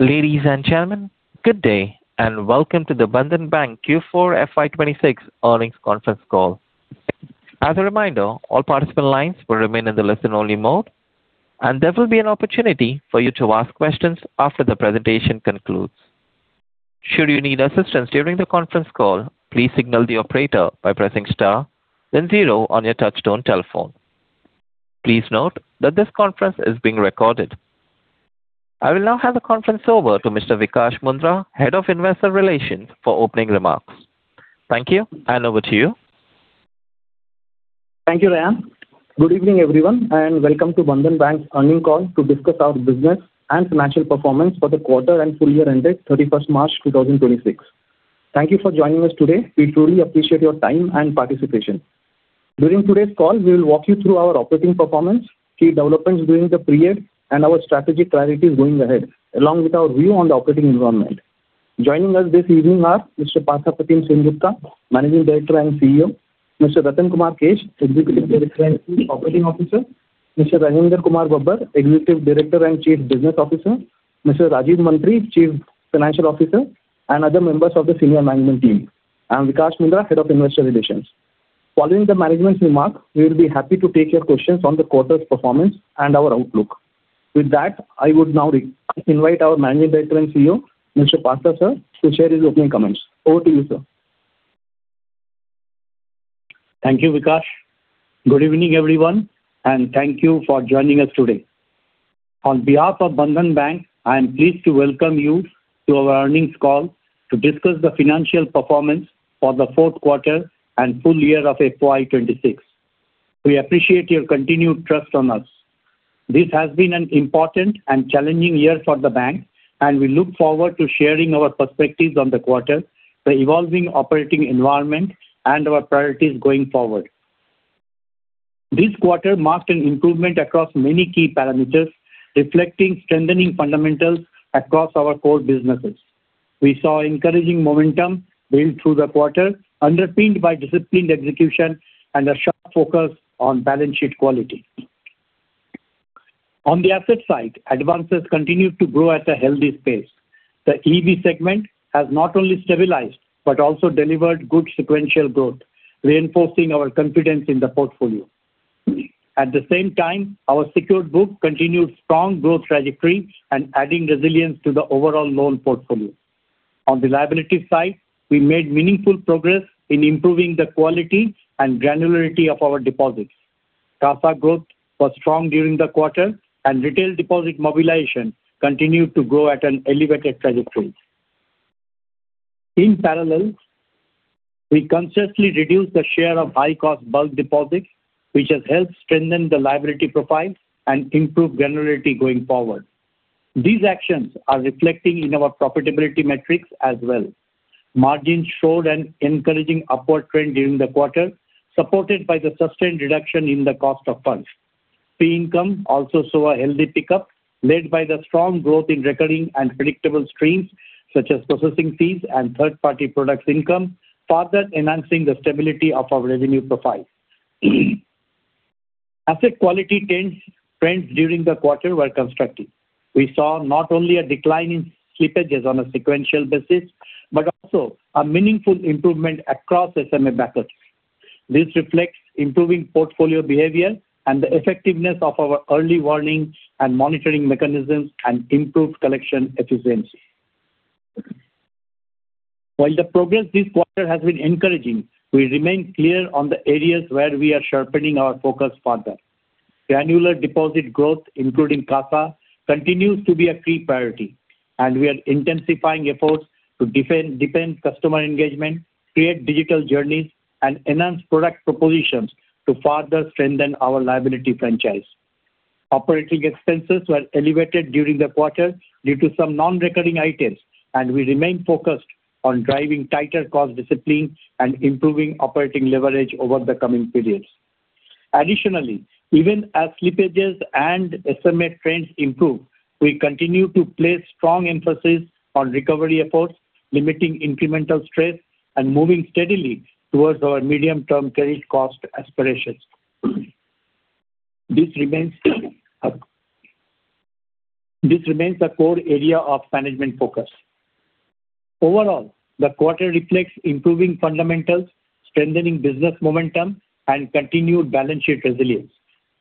Ladies and gentlemen, good day, welcome to the Bandhan Bank Q4 FY 2026 Earnings conference call. As a reminder, all participant lines will remain in the listen-only mode, and there will be an opportunity for you to ask questions after the presentation concludes. Should you need assistance during the conference call, please signal the operator by pressing star then zero on your touchtone telephone. Please note that this conference is being recorded. I will now hand the conference over to Mr. Vikash Mundhra, Head of Investor Relations, for opening remarks. Thank you, over to you. Thank you, Ryan. Good evening, everyone, and welcome to Bandhan Bank's earnings call to discuss our business and financial performance for the quarter and full year ended 31st March 2026. Thank you for joining us today. We truly appreciate your time and participation. During today's call, we will walk you through our operating performance, key developments during the period, and our strategic priorities going ahead, along with our view on the operating environment. Joining us this evening are Mr. Partha Pratim Sengupta, Managing Director and CEO. Mr. Ratan Kumar Kesh, Executive Director and Chief Operating Officer, Mr. Rajinder Kumar Babbar, Executive Director and Chief Business Officer, Mr. Rajeev Mantri, Chief Financial Officer, and other members of the senior management team, and Vikash Mundhra, Head of Investor Relations. Following the management's remarks, we will be happy to take your questions on the quarter's performance and our outlook. With that, I would now re-invite our Managing Director and CEO, Mr. Partha Pratim Sengupta, to share his opening comments. Over to you, sir. Thank you, Vikash Mundhra. Good evening, everyone. Thank you for joining us today. On behalf of Bandhan Bank, I am pleased to welcome you to our earnings call to discuss the financial performance for the fourth quarter and full year of FY 2026. We appreciate your continued trust on us. This has been an important and challenging year for the bank, and we look forward to sharing our perspectives on the quarter, the evolving operating environment, and our priorities going forward. This quarter marked an improvement across many key parameters, reflecting strengthening fundamentals across our core businesses. We saw encouraging momentum build through the quarter, underpinned by disciplined execution and a sharp focus on balance sheet quality. On the asset side, advances continued to grow at a healthy pace. The EEB segment has not only stabilized but also delivered good sequential growth, reinforcing our confidence in the portfolio. At the same time, our secured book continued strong growth trajectory and adding resilience to the overall loan portfolio. On the liability side, we made meaningful progress in improving the quality and granularity of our deposits. CASA growth was strong during the quarter, and retail deposit mobilization continued to grow at an elevated trajectory. We consciously reduced the share of high-cost bulk deposits, which has helped strengthen the liability profile and improve granularity going forward. These actions are reflecting in our profitability metrics as well. Margins showed an encouraging upward trend during the quarter, supported by the sustained reduction in the cost of funds. Fee income also saw a healthy pickup led by the strong growth in recurring and predictable streams such as processing fees and third-party products income, further enhancing the stability of our revenue profile. Asset quality trends during the quarter were constructive. We saw not only a decline in slippages on a sequential basis but also a meaningful improvement across SMA buckets. This reflects improving portfolio behavior and the effectiveness of our early warning and monitoring mechanisms and improved collection efficiency. While the progress this quarter has been encouraging, we remain clear on the areas where we are sharpening our focus further. Granular deposit growth, including CASA, continues to be a key priority, and we are intensifying efforts to defend customer engagement, create digital journeys, and enhance product propositions to further strengthen our liability franchise. Operating expenses were elevated during the quarter due to some non-recurring items, and we remain focused on driving tighter cost discipline and improving operating leverage over the coming periods. Additionally, even as slippages and SMA trends improve, we continue to place strong emphasis on recovery efforts, limiting incremental stress, and moving steadily towards our medium-term credit cost aspirations. This remains a core area of management focus. Overall, the quarter reflects improving fundamentals, strengthening business momentum, and continued balance sheet resilience.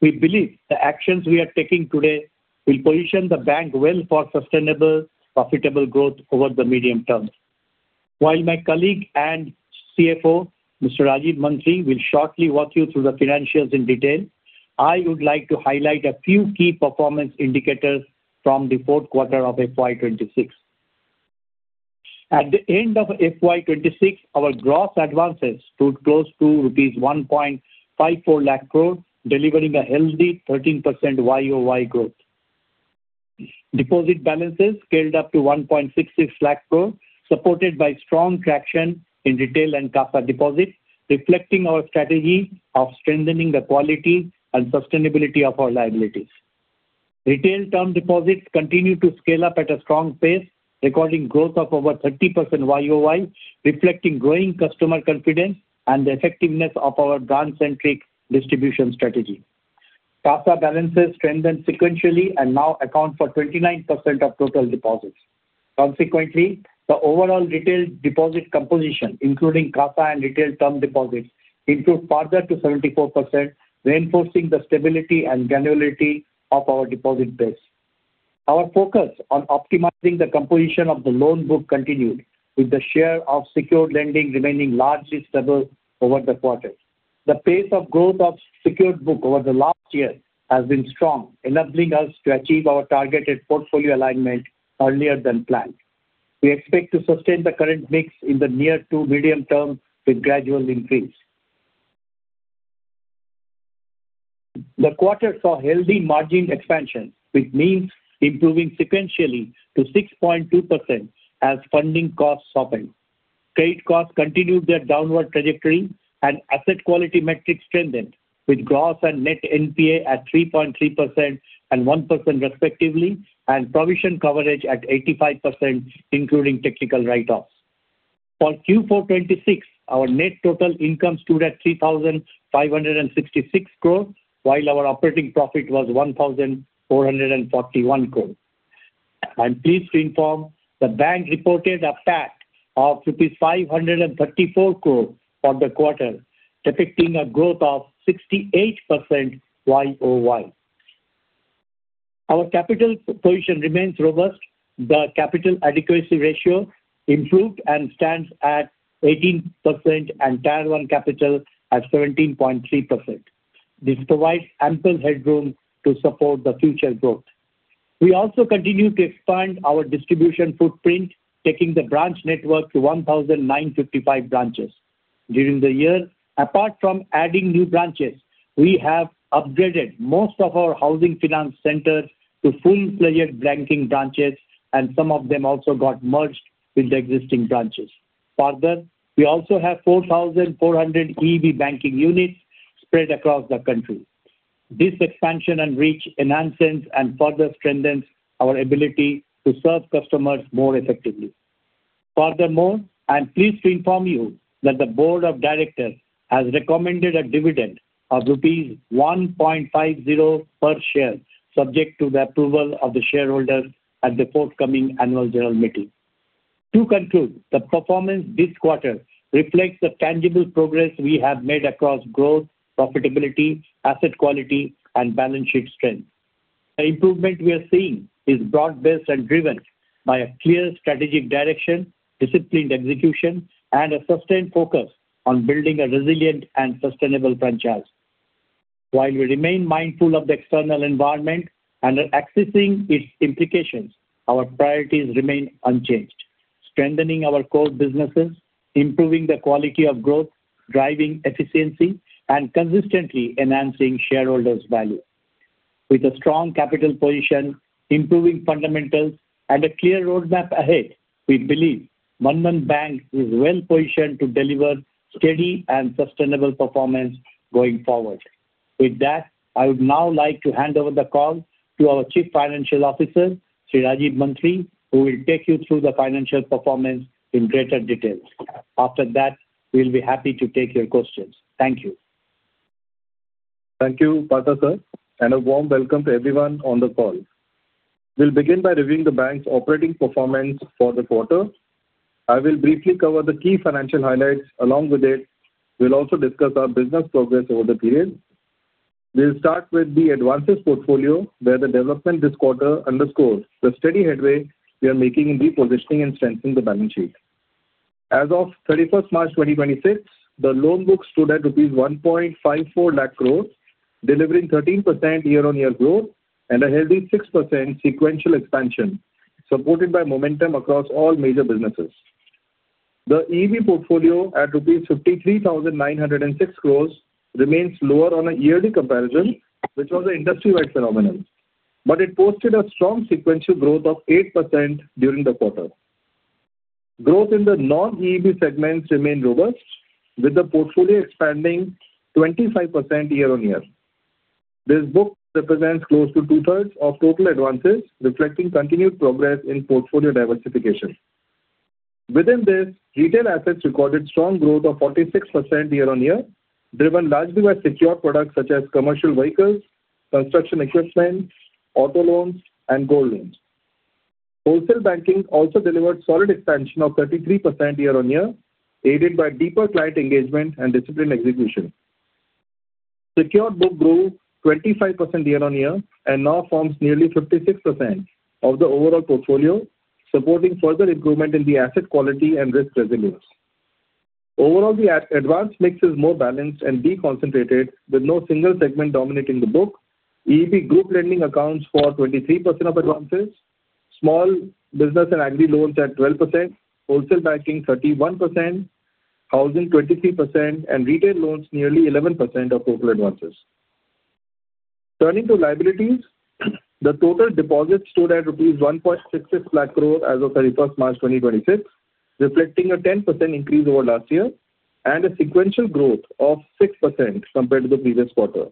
We believe the actions we are taking today will position the bank well for sustainable, profitable growth over the medium term. While my colleague and CFO, Mr. Rajeev Mantri, will shortly walk you through the financials in detail, I would like to highlight a few key performance indicators from the fourth quarter of FY 2026. At the end of FY 2026, our gross advances stood close to rupees 1.54 lakh crore, delivering a healthy 13% YOY growth. Deposit balances scaled up to 1.66 lakh crore, supported by strong traction in retail and CASA deposits, reflecting our strategy of strengthening the quality and sustainability of our liabilities. Retail term deposits continue to scale up at a strong pace, recording growth of over 30% YOY, reflecting growing customer confidence and the effectiveness of our grant-centric distribution strategy. CASA balances strengthened sequentially and now account for 29% of total deposits. Consequently, the overall retail deposit composition, including CASA and retail term deposits, improved further to 74%, reinforcing the stability and granularity of our deposit base. Our focus on optimizing the composition of the loan book continued, with the share of secured lending remaining largely stable over the quarter. The pace of growth of secured book over the last year has been strong, enabling us to achieve our targeted portfolio alignment earlier than planned. We expect to sustain the current mix in the near to medium term with gradual increase. The quarter saw healthy margin expansion, with NIMs improving sequentially to 6.2% as funding costs softened. Trade costs continued their downward trajectory and asset quality metrics strengthened, with gross and net NPA at 3.3% and 1% respectively, and provision coverage at 85%, including technical write-offs. For Q4 2026, our net total income stood at 3,566 crores, while our operating profit was 1,441 crores. I'm pleased to inform the bank reported a PAT of rupees 534 crores for the quarter, depicting a growth of 68% year-over-year. Our capital position remains robust. The Capital Adequacy Ratio improved and stands at 18%, and Tier 1 capital at 17.3%. This provides ample headroom to support the future growth. We also continue to expand our distribution footprint, taking the branch network to 1,955 branches. During the year, apart from adding new branches, we have upgraded most of our housing finance centers to full-fledged banking branches, and some of them also got merged with the existing branches. We also have 4,400 EEB banking units spread across the country. This expansion and reach enhances and further strengthens our ability to serve customers more effectively. I'm pleased to inform you that the board of directors has recommended a dividend of rupees 1.50 per share, subject to the approval of the shareholders at the forthcoming annual general meeting. To conclude, the performance this quarter reflects the tangible progress we have made across growth, profitability, asset quality, and balance sheet strength. The improvement we are seeing is broad-based and driven by a clear strategic direction, disciplined execution, and a sustained focus on building a resilient and sustainable franchise. While we remain mindful of the external environment and are assessing its implications, our priorities remain unchanged, strengthening our core businesses, improving the quality of growth, driving efficiency, and consistently enhancing shareholders value. With a strong capital position, improving fundamentals, and a clear roadmap ahead, we believe Bandhan Bank is well-positioned to deliver steady and sustainable performance going forward. With that, I would now like to hand over the call to our Chief Financial Officer, Rajeev Mantri, who will take you through the financial performance in greater detail. After that, we'll be happy to take your questions. Thank you. Thank you, Partha Sir, and a warm welcome to everyone on the call. We'll begin by reviewing the bank's operating performance for the quarter. I will briefly cover the key financial highlights. We'll also discuss our business progress over the period. We'll start with the advances portfolio, where the development this quarter underscores the steady headway we are making in repositioning and strengthening the balance sheet. As of 31st March 2026, the loan book stood at INR 1.54 lakh crores, delivering 13% year-on-year growth and a healthy 6% sequential expansion, supported by momentum across all major businesses. The EEB portfolio at 53,906 crores rupees remains lower on a yearly comparison, which was an industry-wide phenomenon, but it posted a strong sequential growth of 8% during the quarter. Growth in the non-EEB segments remained robust, with the portfolio expanding 25% year-on-year. This book represents close to two-thirds of total advances, reflecting continued progress in portfolio diversification. Within this, retail assets recorded strong growth of 46% year-on-year, driven largely by secured products such as commercial vehicles, construction equipment, auto loans, and gold loans. Wholesale Banking also delivered solid expansion of 33% year-on-year, aided by deeper client engagement and disciplined execution. Secured book grew 25% year-on-year and now forms nearly 56% of the overall portfolio, supporting further improvement in the asset quality and risk resilience. Overall, the ad-advance mix is more balanced and deconcentrated, with no single segment dominating the book. EEB group lending accounts for 23% of advances. Small business and agri loans at 12%. Wholesale Banking, 31%. Housing, 23%. Retail loans, nearly 11% of total advances. Turning to liabilities, the total deposits stood at rupees 1.66 lakh crore as of March 31, 2026, reflecting a 10% increase over last year and a sequential growth of 6% compared to the previous quarter,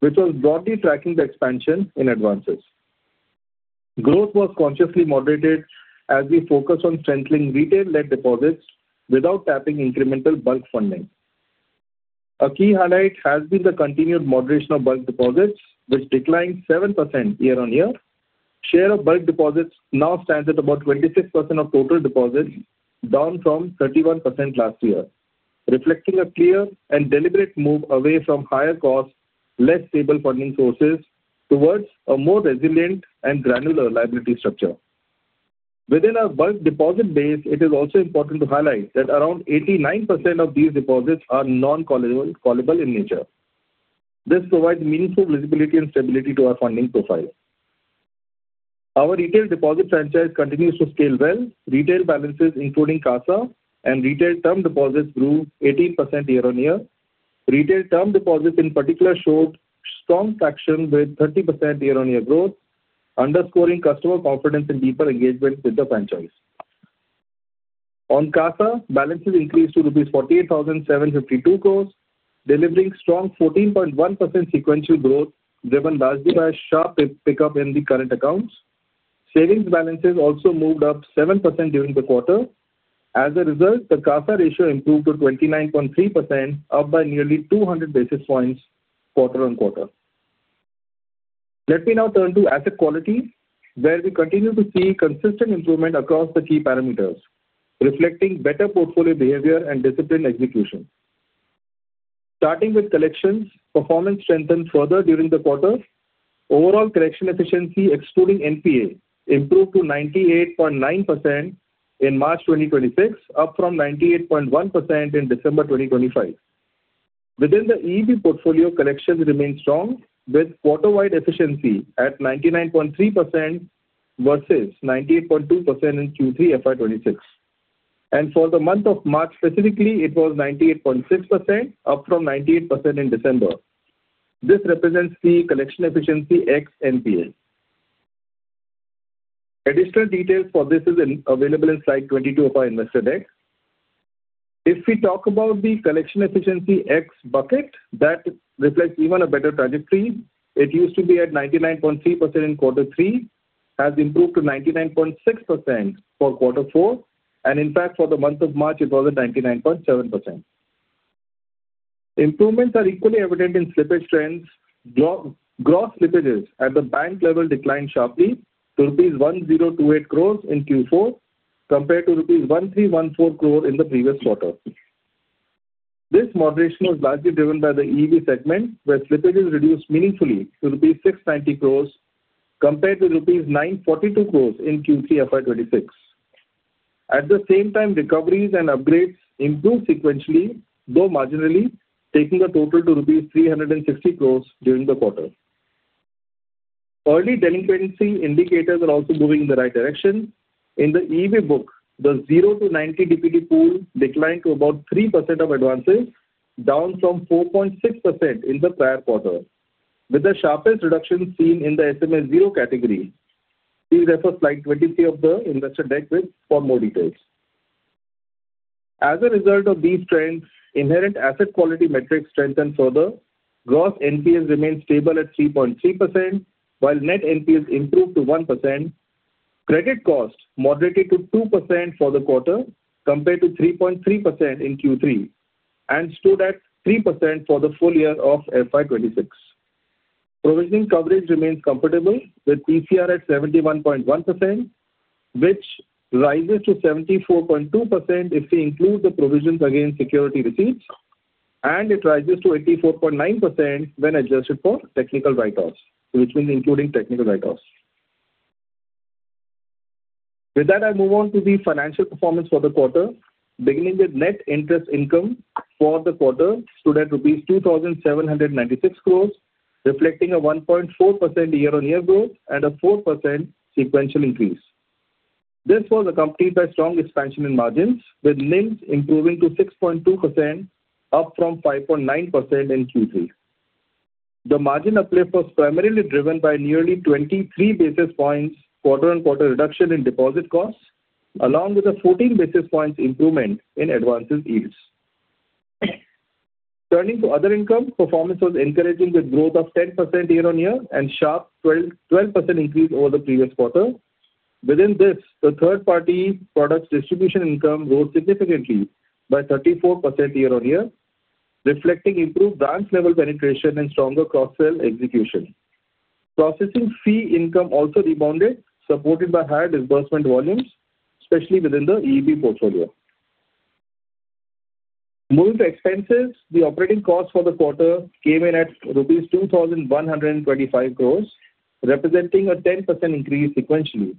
which was broadly tracking the expansion in advances. Growth was consciously moderated as we focus on strengthening retail-led deposits without tapping incremental bulk funding. A key highlight has been the continued moderation of bulk deposits, which declined 7% year-on-year. Share of bulk deposits now stands at about 26% of total deposits, down from 31% last year, reflecting a clear and deliberate move away from higher cost, less stable funding sources towards a more resilient and granular liability structure. Within our bulk deposit base, it is also important to highlight that around 89% of these deposits are non-callable in nature. This provides meaningful visibility and stability to our funding profile. Our retail deposit franchise continues to scale well. Retail balances, including CASA and retail term deposits, grew 18% year-on-year. Retail term deposits in particular showed strong traction with 30% year-on-year growth, underscoring customer confidence and deeper engagement with the franchise. On CASA, balances increased to INR 48,752 crores, delivering strong 14.1% sequential growth, driven largely by a sharp pickup in the current accounts. Savings balances also moved up 7% during the quarter. As a result, the CASA ratio improved to 29.3%, up by nearly 200 basis points quarter-on-quarter. Let me now turn to asset quality, where we continue to see consistent improvement across the key parameters, reflecting better portfolio behavior and disciplined execution. Starting with collections, performance strengthened further during the quarter. Overall collection efficiency, excluding NPA, improved to 98.9% in March 2026, up from 98.1% in December 2025. Within the EEB portfolio, collections remain strong, with quarter-wide efficiency at 99.3% versus 98.2% in Q3 FY 2026. For the month of March specifically, it was 98.6%, up from 98% in December. This represents the collection efficiency ex-NPA. Additional details for this is available in slide 22 of our investor deck. If we talk about the collection efficiency ex bucket, that reflects even a better trajectory. It used to be at 99.3% in Quarter 3, has improved to 99.6% for Quarter 4, and in fact, for the month of March, it was at 99.7%. Improvements are equally evident in slippage trends. Gross slippages at the bank level declined sharply to rupees 1,028 crores in Q4, compared to rupees 1,314 crore in the previous quarter. This moderation was largely driven by the EEB segment, where slippage is reduced meaningfully to rupees 690 crores, compared to rupees 942 crores in Q3 FY26. At the same time, recoveries and upgrades improved sequentially, though marginally, taking the total to rupees 360 crores during the quarter. Early delinquency indicators are also moving in the right direction. In the EEB book, the 0-90 DPD pool declined to about 3% of advances, down from 4.6% in the prior quarter, with the sharpest reduction seen in the SMA 0 category. Please refer to slide 23 of the investor deck for more details. As a result of these trends, inherent asset quality metrics strengthened further. Gross NPAs remained stable at 3.3%, while net NPAs improved to 1%. Credit costs moderated to 2% for the quarter, compared to 3.3% in Q3 and stood at 3% for the full year of FY 2026. Provision coverage remains comfortable, with PCR at 71.1%, which rises to 74.2% if we include the provisions against security receipts, and it rises to 84.9% when adjusted for technical write-offs, which means including technical write-offs. With that, I move on to the financial performance for the quarter. Beginning with net interest income for the quarter stood at rupees 2,796 crores, reflecting a 1.4% year-on-year growth and a 4% sequential increase. This was accompanied by strong expansion in margins, with NIMs improving to 6.2%, up from 5.9% in Q3. The margin uplift was primarily driven by nearly 23 basis points quarter-on-quarter reduction in deposit costs, along with a 14 basis points improvement in advances yields. Turning to other income, performance was encouraging with growth of 10% year-on-year and sharp 12% increase over the previous quarter. Within this, the third-party products distribution income rose significantly by 34% year-on-year, reflecting improved branch-level penetration and stronger cross-sell execution. Processing fee income also rebounded, supported by higher disbursement volumes, especially within the EEB portfolio. Moving to expenses, the operating costs for the quarter came in at rupees 2,125 crores, representing a 10% increase sequentially.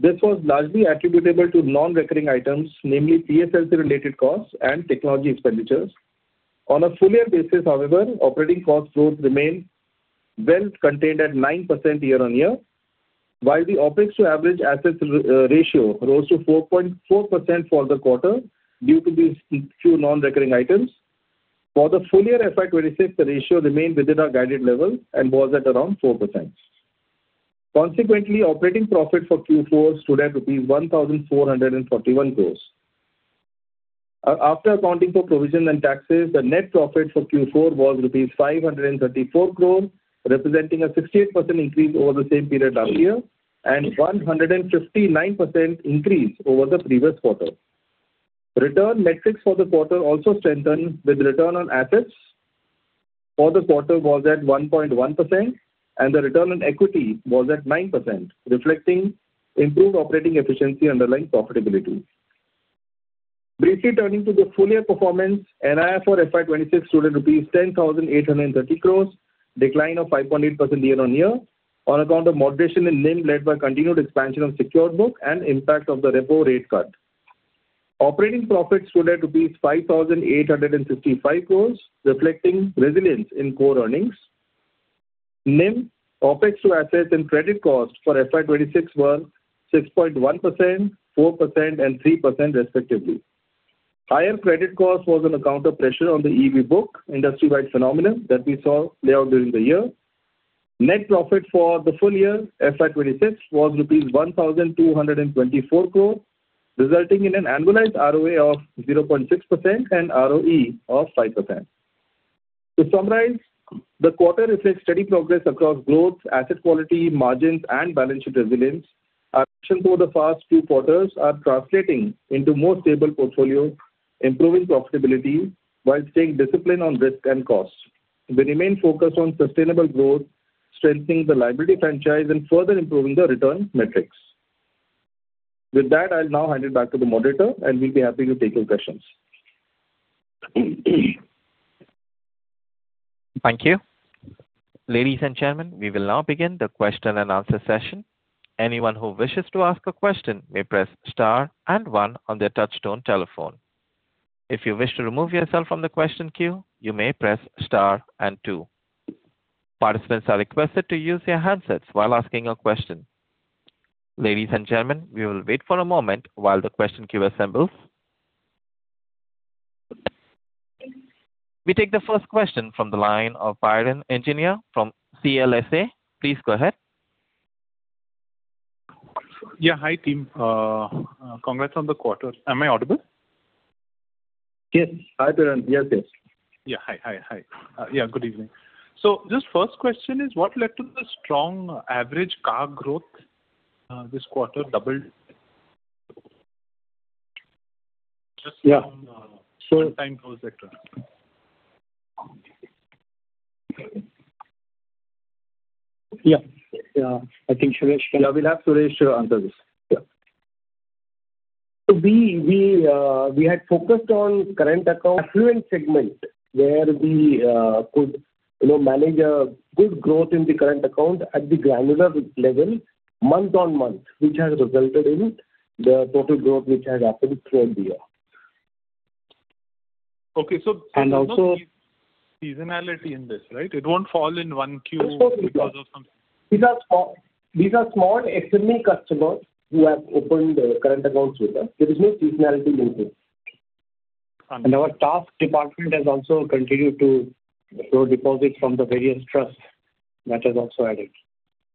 This was largely attributable to non-recurring items, namely PSLC related costs and technology expenditures. On a full year basis, however, operating cost growth remained well contained at 9% year-on-year. While the OpEx to average assets ratio rose to 4.4% for the quarter due to these two non-recurring items. For the full year FY 2026, the ratio remained within our guided level and was at around 4%. Consequently, operating profit for Q4 stood at rupees 1,441 crore. After accounting for provision and taxes, the net profit for Q4 was 534 crore, representing a 68% increase over the same period last year and 159% increase over the previous quarter. Return metrics for the quarter also strengthened with return on assets for the quarter was at 1.1%, and the return on equity was at 9%, reflecting improved operating efficiency underlying profitability. Briefly turning to the full year performance NII for FY 2026 showed rupees 10,830 crore, decline of 5.8% year-on-year on account of moderation in NIM led by continued expansion of secured book and impact of the repo rate cut. Operating profits showed at rupees 5,855 crore reflecting resilience in core earnings. NIM, OpEx to assets and credit cost for FY 2026 were 6.1%, 4% and 3% respectively. Higher credit cost was on account of pressure on the EEB book, industry-wide phenomenon that we saw play out during the year. Net profit for the full year, FY 2026, was rupees 1,224 crore, resulting in an annualized ROA of 0.6% and ROE of 5%. To summarize, the quarter reflects steady progress across growth, asset quality, margins and balance sheet resilience. Our action for the past few quarters are translating into more stable portfolio, improving profitability while staying disciplined on risk and costs. We remain focused on sustainable growth, strengthening the liability franchise and further improving the return metrics. With that, I'll now hand it back to the moderator and we'll be happy to take your questions. Thank you. Ladies and gentlemen, we will now begin the question-and-answer session. Anyone who wishes to ask a question may press star and one on their touchtone telephone. If you wish to remove yourself from the question queue, you may press star and two. Participants are requested to use their handsets while asking a question. Ladies and gentlemen, we will wait for a moment while the question queue assembles. We take the first question from the line of Piran Engineer from CLSA. Please go ahead. Hi, team. Congrats on the quarter. Am I audible? Yes. Hi, Piran. Yes, yes. Yeah. Hi. Hi. Hi. Yeah. Good evening. Just first question is what led to the strong average CAR growth, this quarter doubled? Yeah. Just on So- sector. Yeah. Yeah. I think Suresh. Yeah, we'll have Suresh answer this. Yeah. We had focused on current account affluent segment where we could, you know, manage a good growth in the current account at the granular level month-on-month, which has resulted in the total growth which has happened throughout the year. Okay. And also- There's no seasonality in this, right? It won't fall in one queue. There's no- Because of some- These are small SME customers who have opened their current accounts with us. There is no seasonality linked in. Our task department has also continued to grow deposits from the various trusts that has also added.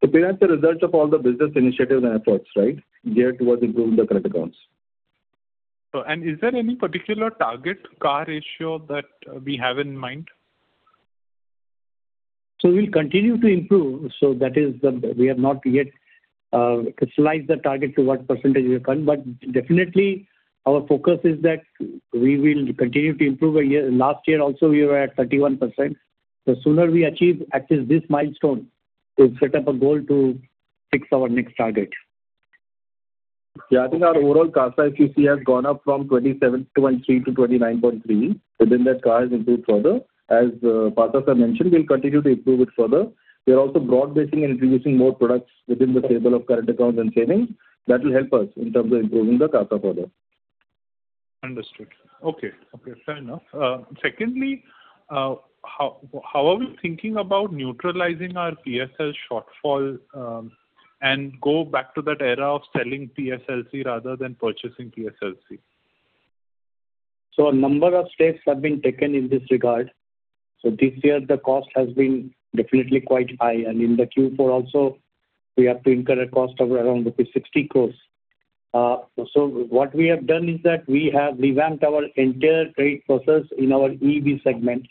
These are the results of all the business initiatives and efforts, right, geared towards improving the current accounts. Is there any particular target CAR ratio that we have in mind? We'll continue to improve. We have not yet crystallized the target to what percentage we've come. Definitely our focus is that we will continue to improve our year. Last year also we were at 31%. The sooner we achieve this milestone to set up a goal to fix our next target. Yeah, I think our overall CASA QCC has gone up from 27.3 to 29.3 within that CAR has improved further. As Partha mentioned, we'll continue to improve it further. We are also broad-basing and introducing more products within the stable of current accounts and savings that will help us in terms of improving the CASA further. Understood. Okay. Okay, fair enough. Secondly, how are we thinking about neutralizing our PSL shortfall, and go back to that era of selling PSLC rather than purchasing PSLC? A number of steps have been taken in this regard. This year the cost has been definitely quite high. In the Q4 also we have to incur a cost of around rupees 60 crores. What we have done is that we have revamped our entire trade process in our EEB segment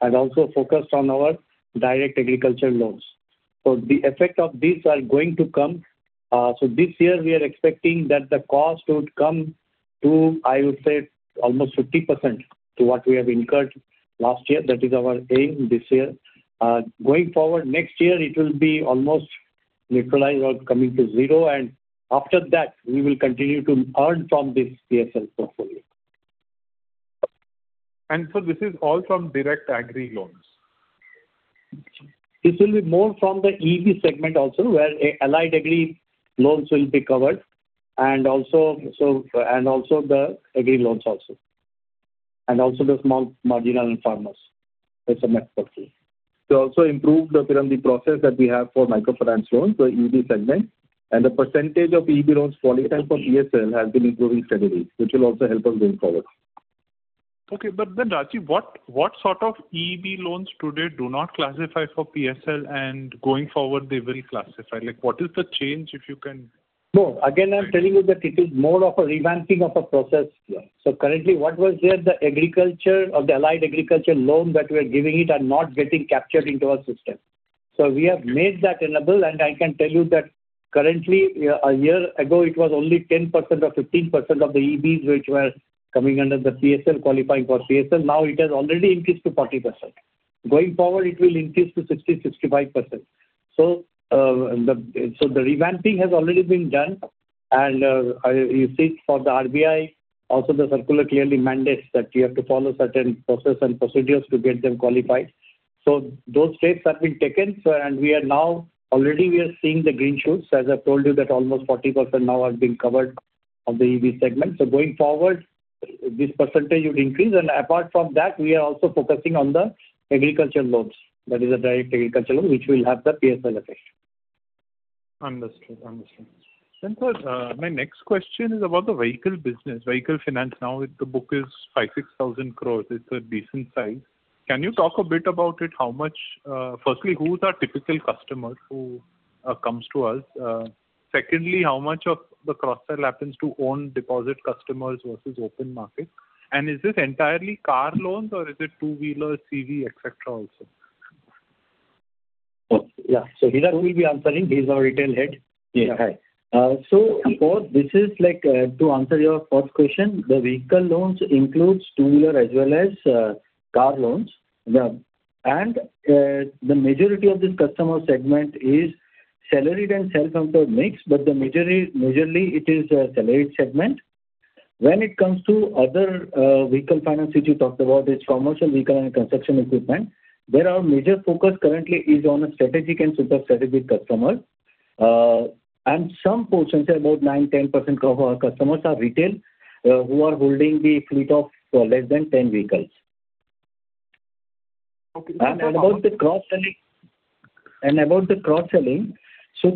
and also focused on our direct agriculture loans. The effect of these are going to come. This year we are expecting that the cost would come to, I would say, almost 50% to what we have incurred last year. That is our aim this year. Going forward, next year it will be almost neutralized or coming to zero, and after that we will continue to earn from this PSL portfolio. This is all from direct agri loans. This will be more from the EB segment also where, allied agri loans will be covered and also the agri loans also, and also the small marginal farmers as a network here. We also improved the, Piran, the process that we have for microfinance loans, so EB segment, and the percentage of EB loans qualified for PSL has been improving steadily, which will also help us going forward. Okay. Rajeev, what sort of EEB loans today do not classify for PSL and going forward they will classify? Like, what is the change? No. Again, I'm telling you that it is more of a revamping of a process. Yeah. Currently what was there, the agriculture or the allied agriculture loan that we are giving it are not getting captured into our system. We have made that enable. I can tell you that currently, a year ago, it was only 10% or 15% of the EEBs which were coming under the PSL, qualifying for PSL. Now it has already increased to 40%. Going forward it will increase to 60%, 65%. The, so the revamping has already been done and, you see for the RBI, also the circular clearly mandates that you have to follow certain process and procedures to get them qualified. Those steps have been taken. Already we are seeing the green shoots, as I told you that almost 40% now are being covered of the EEB segment. Going forward, this percentage would increase. Apart from that, we are also focusing on the agriculture loans. That is the direct agriculture loan which will have the PSL effect. Understood. Understood. Sir, my next question is about the vehicle business, vehicle finance. Now if the book is 5,000-6,000 crores, it's a decent size. Can you talk a bit about it? Firstly, who is our typical customer who comes to us? Secondly, how much of the cross-sell happens to own deposit customers versus open market? Is this entirely car loans or is it two-wheeler, CV, et cetera, also? Okay. Yeah. Hirak will be answering. He's our retail head. Yeah. Hi. Of course this is like, to answer your first question, the vehicle loans includes two-wheeler as well as car loans. Yeah. The majority of this customer segment is salaried and self-employed mix, but majorly it is a salaried segment. When it comes to other vehicle finance which you talked about, is Commercial Vehicles and Construction Equipment, where our major focus currently is on a strategic and super strategic customers. Some portions, about 9%, 10% of our customers are retail, who are holding the fleet of less than 10 vehicles. Okay. About the cross-selling. About the cross-selling,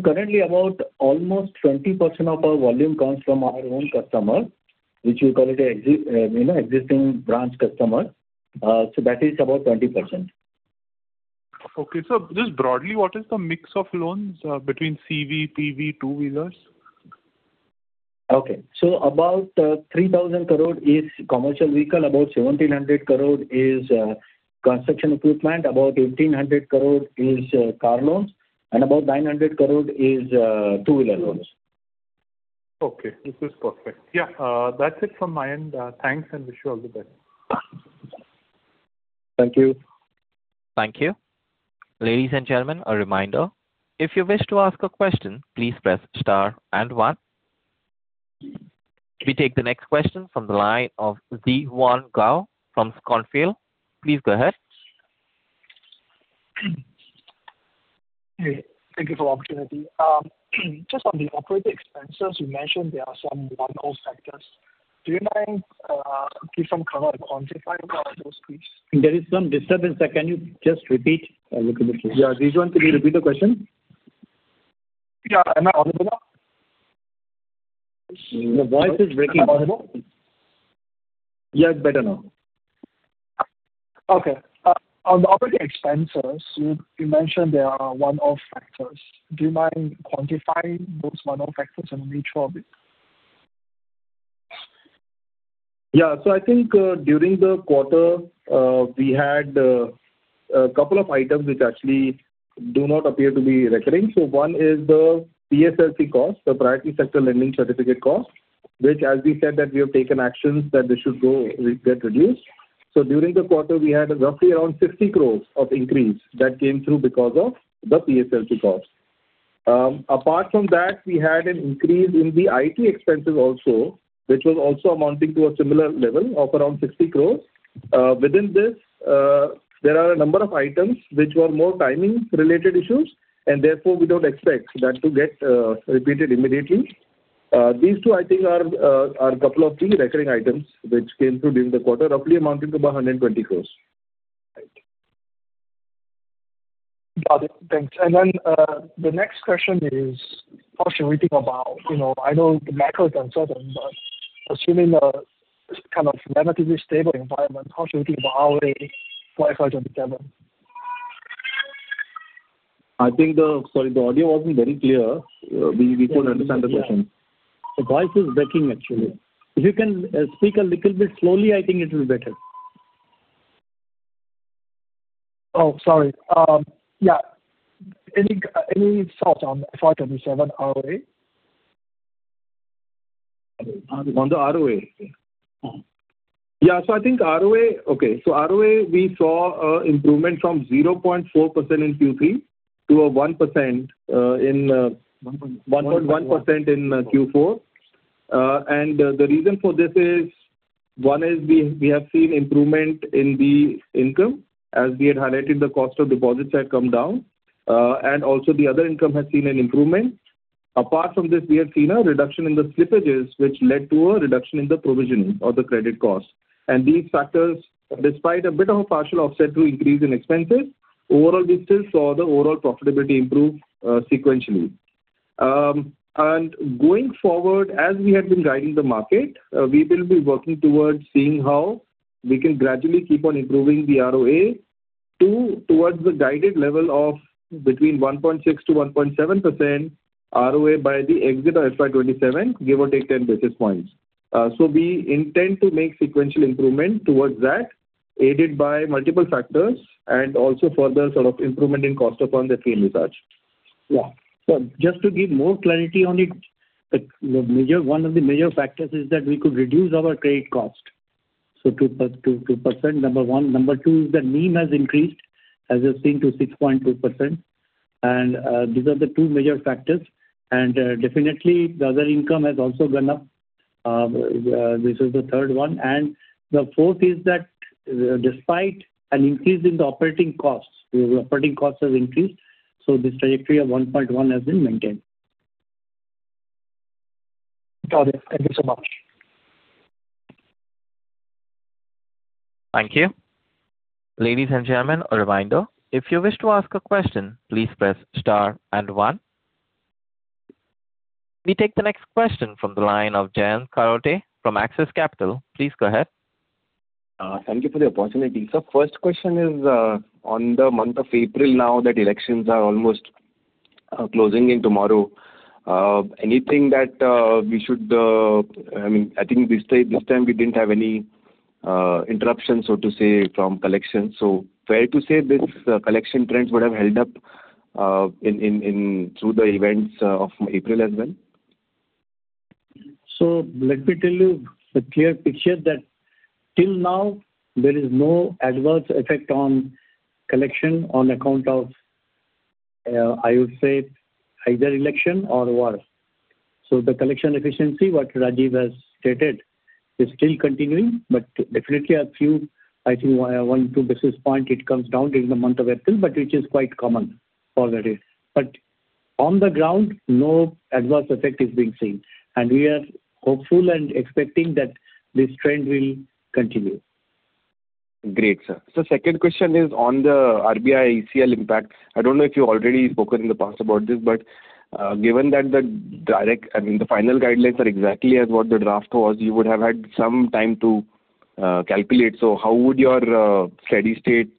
currently about almost 20% of our volume comes from our own customer, which you call it a, you know, existing branch customer. That is about 20%. Okay. just broadly, what is the mix of loans, between CV, PV, two-wheelers? Okay. About 3,000 crore is Commercial Vehicles, about 1,700 crore is Construction Equipment, about 1,800 crore is Auto Loans, and about 900 crore is two-wheeler loans. Okay. This is perfect. Yeah. That's it from my end. Thanks and wish you all the best. Thank you. Thank you. Ladies and gentlemen, a reminder, if you wish to ask a question, please press star and one. We take the next question from the line of Gao Zhixuan from Schonfeld. Please go ahead. Hey, thank you for opportunity. Just on the operating expenses, you mentioned there are some one-off factors. Do you mind give some color quantifying all those, please? There is some disturbance there. Can you just repeat a little bit, please? Yeah. Zhixuan, could you repeat the question? Yeah. Am I audible now? Your voice is breaking. Am I audible? Yeah. It's better now. Okay. On the operating expenses, you mentioned there are one-off factors. Do you mind quantifying those one-off factors and nature of it? Yeah. I think, during the quarter, we had a couple of items which actually do not appear to be recurring. One is the PSLC cost, the priority sector lending certificate cost, which as we said, that we have taken actions that they should go, get reduced. During the quarter we had roughly around 60 crore of increase that came through because of the PSLC cost. Apart from that, we had an increase in the IT expenses also, which was also amounting to a similar level of around 60 crore. Within this, there are a number of items which were more timing related issues and therefore we don't expect that to get repeated immediately. These two I think are a couple of key recurring items which came through during the quarter, roughly amounting to about 120 crore. Right. Got it. Thanks. Then, the next question is, how should we think about, you know, I know the macro is uncertain, but assuming a kind of relatively stable environment, how should we think about ROA for FY 2027? I think the Sorry, the audio wasn't very clear. We couldn't understand the question. The voice is breaking actually. If you can speak a little bit slowly, I think it will be better. Oh, sorry. Yeah. Any thoughts on FY 2027 ROA? On the ROA? Yeah. Yeah. I think ROA. Okay. ROA we saw an improvement from 0.4% in Q3 to 1%. One point. 1.1% in Q4. The reason for this is, one is we have seen improvement in the income. As we had highlighted, the cost of deposits had come down. Also the other income has seen an improvement. Apart from this, we have seen a reduction in the slippages which led to a reduction in the provisioning or the credit cost. These factors, despite a bit of a partial offset through increase in expenses, overall we still saw the overall profitability improve sequentially. Going forward, as we have been guiding the market, we will be working towards seeing how we can gradually keep on improving the ROA towards the guided level of between 1.6%-1.7% ROA by the exit of FY 2027, give or take 10 basis points. We intend to make sequential improvement towards that, aided by multiple factors and also further sort of improvement in cost upon the fee leakage. Just to give more clarity on it, one of the major factors is that we could reduce our trade cost, 2%, Number one. Number two is the NIM has increased as you've seen to 6.2%. These are the two major factors. Definitely the other income has also gone up. This is the third one. The fourth is that despite an increase in the operating costs, the operating costs have increased, so this trajectory of 1.1 has been maintained. Got it. Thank you so much. Thank you. Ladies and gentlemen, a reminder, if you wish to ask a question, please press star and 1. We take the next question from the line of Jayant Kharote from Axis Capital. Please go ahead. Thank you for the opportunity. First question is on the month of April now that elections are almost closing in tomorrow. Anything that we should, I mean, I think this time we didn't have any interruption, so to say, from collection? Fair to say this collection trends would have held up in through the events of April as well? Let me tell you the clear picture that till now there is no adverse effect on collection on account of, I would say either election or war. The collection efficiency, what Rajeev has stated, is still continuing, but definitely a few, I think one, two basis points it comes down during the month of April, but which is quite common for the rate. On the ground, no adverse effect is being seen, and we are hopeful and expecting that this trend will continue. Great, sir. Second question is on the RBI ECL impact. I don't know if you already spoken in the past about this, but, I mean, the final guidelines are exactly as what the draft was, you would have had some time to calculate. How would your steady-state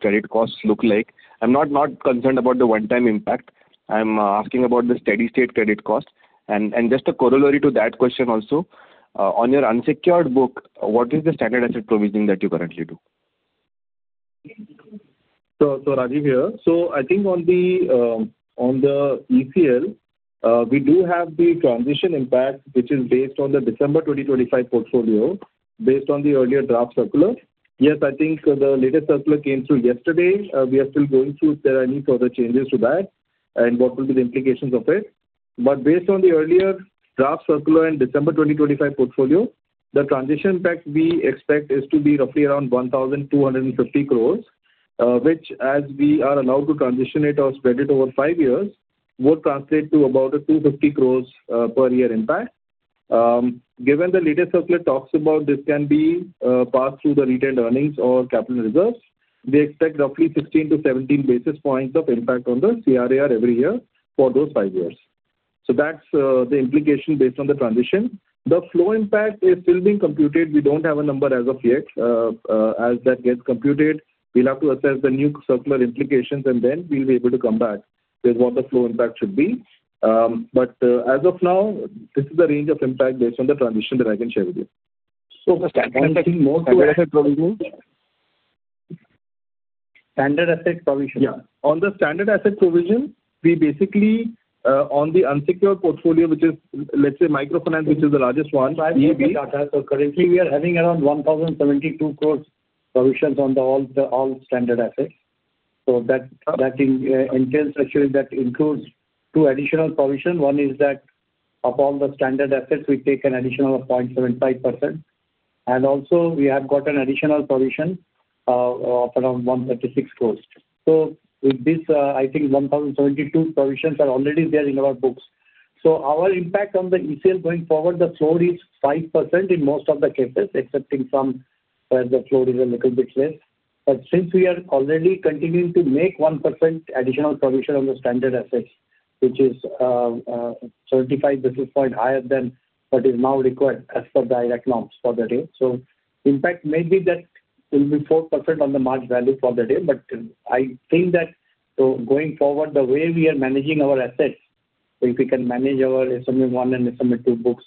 credit costs look like? I'm not concerned about the one-time impact. I'm asking about the steady-state credit cost. And just a corollary to that question also, on your unsecured book, what is the standard asset provisioning that you currently do? Rajeev here. I think on the on the ECL, we do have the transition impact, which is based on the December 2025 portfolio based on the earlier draft circular. Yes, I think the latest circular came through yesterday. We are still going through if there are any further changes to that and what will be the implications of it. Based on the earlier draft circular and December 2025 portfolio, the transition impact we expect is to be roughly around 1,250 crores, which as we are allowed to transition it or spread it over 5 years, would translate to about a 250 crores per year impact. Given the latest circular talks about this can be passed through the retained earnings or capital reserves, we expect roughly 16 to 17 basis points of impact on the CRAR every year for those five years. That's the implication based on the transition. The flow impact is still being computed. We don't have a number as of yet. As that gets computed, we'll have to assess the new circular implications, and then we'll be able to come back with what the flow impact should be. As of now, this is the range of impact based on the transition that I can share with you. The standard. Standard asset provision. Standard asset provision. On the standard asset provision, we basically on the unsecured portfolio, which is, let's say, microfinance, which is the largest one. Currently we are having around 1,072 crore provisions on all the standard assets. That actually includes two additional provisions. One is that of all the standard assets we take an additional of 0.75%, and also we have got an additional provision of around 136 crore. With this, I think 1,072 crore provisions are already there in our books. Our impact on the ECL going forward, the flow is 5% in most of the cases, excepting from where the flow is a little bit less. Since we are already continuing to make 1% additional provision on the standard assets, which is 35 basis points higher than what is now required as per the IRAC norms for the rate. In fact, maybe that will be 4% on the March value for the day, I think that, going forward, the way we are managing our assets, if we can manage our SME 1 and SME 2 books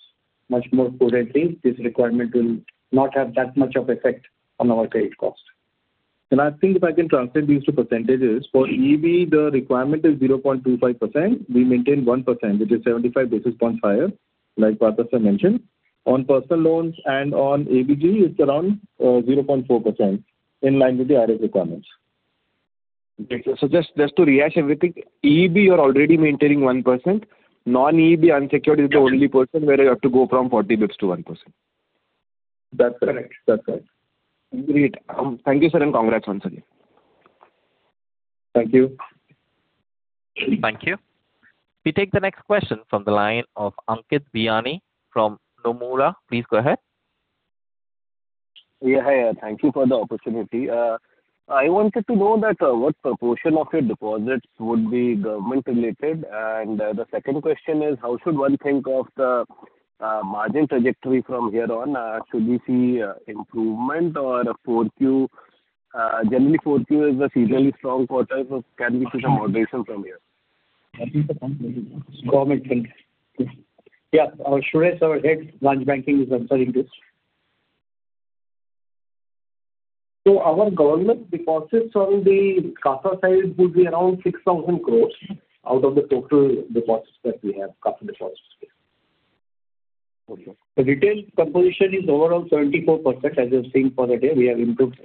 much more prudently, this requirement will not have that much of effect on our credit cost. I think if I can translate these to percentages, for EEB the requirement is 0.25%. We maintain 1%, which is 75 basis points higher, like Partha mentioned. On personal loans and on ABG, it's around 0.4% in line with the IRAC requirements. Great. Just to rehash everything, EEB you're already maintaining 1%. Non-EEB unsecured is the only portion where you have to go from 40 basis points to 1%. That's correct. That's right. Great. Thank you, sir, and congrats once again. Thank you. Thank you. We take the next question from the line of Ankit Biyani from Nomura. Please go ahead. Yeah, yeah. Thank you for the opportunity. I wanted to know that what proportion of your deposits would be government-related. The second question is: How should one think of the margin trajectory from here on? Should we see improvement on the 4Q? Generally, 4Q is a seasonally strong quarter, so can we see some moderation from here? Government link. Yeah. Our Suresh, our Head Branch Banking, is answering this. Our government deposits on the CASA side would be around 6,000 crores out of the total deposits that we have, CASA deposits. The retail composition is overall 24%, as you're seeing for the day. We have improved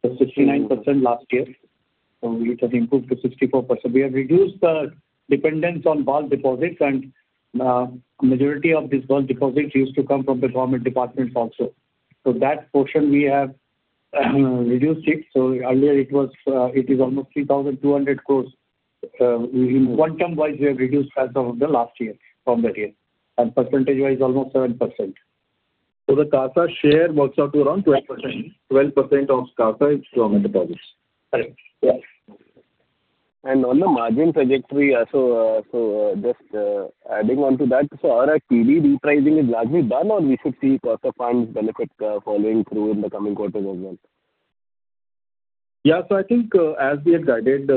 from 69% last year. It has improved to 64%. We have reduced the dependence on bulk deposits and majority of these bulk deposits used to come from the government departments also. That portion we have reduced it. Earlier it was, it is almost 3,200 crore. In quantum-wise, we have reduced as of the last year from that year, and percentage-wise almost 7%. The CASA share works out to around 12%. 12% of CASA is government deposits. Correct. Yes. On the margin trajectory also, adding on to that, are our PD repricing is largely done or we should see cost of funds benefit following through in the coming quarters as well? Yeah. I think, as we had guided,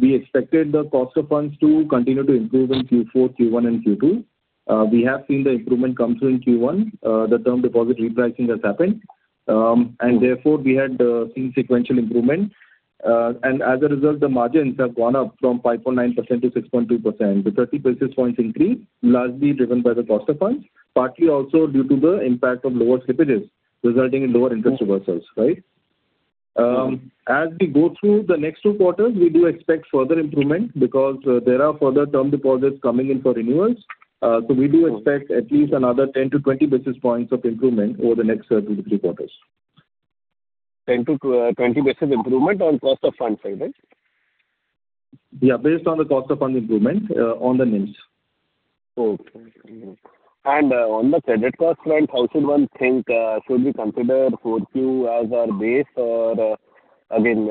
we expected the cost of funds to continue to improve in Q4, Q1 and Q2. We have seen the improvement come through in Q1. The term deposit repricing has happened. Therefore we had seen sequential improvement. As a result, the margins have gone up from 5.9% to 6.2%. The 30 basis points increase largely driven by the cost of funds, partly also due to the impact of lower slippages resulting in lower interest reversals. Right? As we go through the next two quarters, we do expect further improvement because there are further term deposits coming in for renewals. We do expect at least another 10-20 basis points of improvement over the next 2-3 quarters. 10 to 20 basis improvement on cost of funds side, right? Yeah. Based on the cost of funds improvement, on the NIMs. Okay. On the credit cost front, how should one think, should we consider 4Q as our base or, again,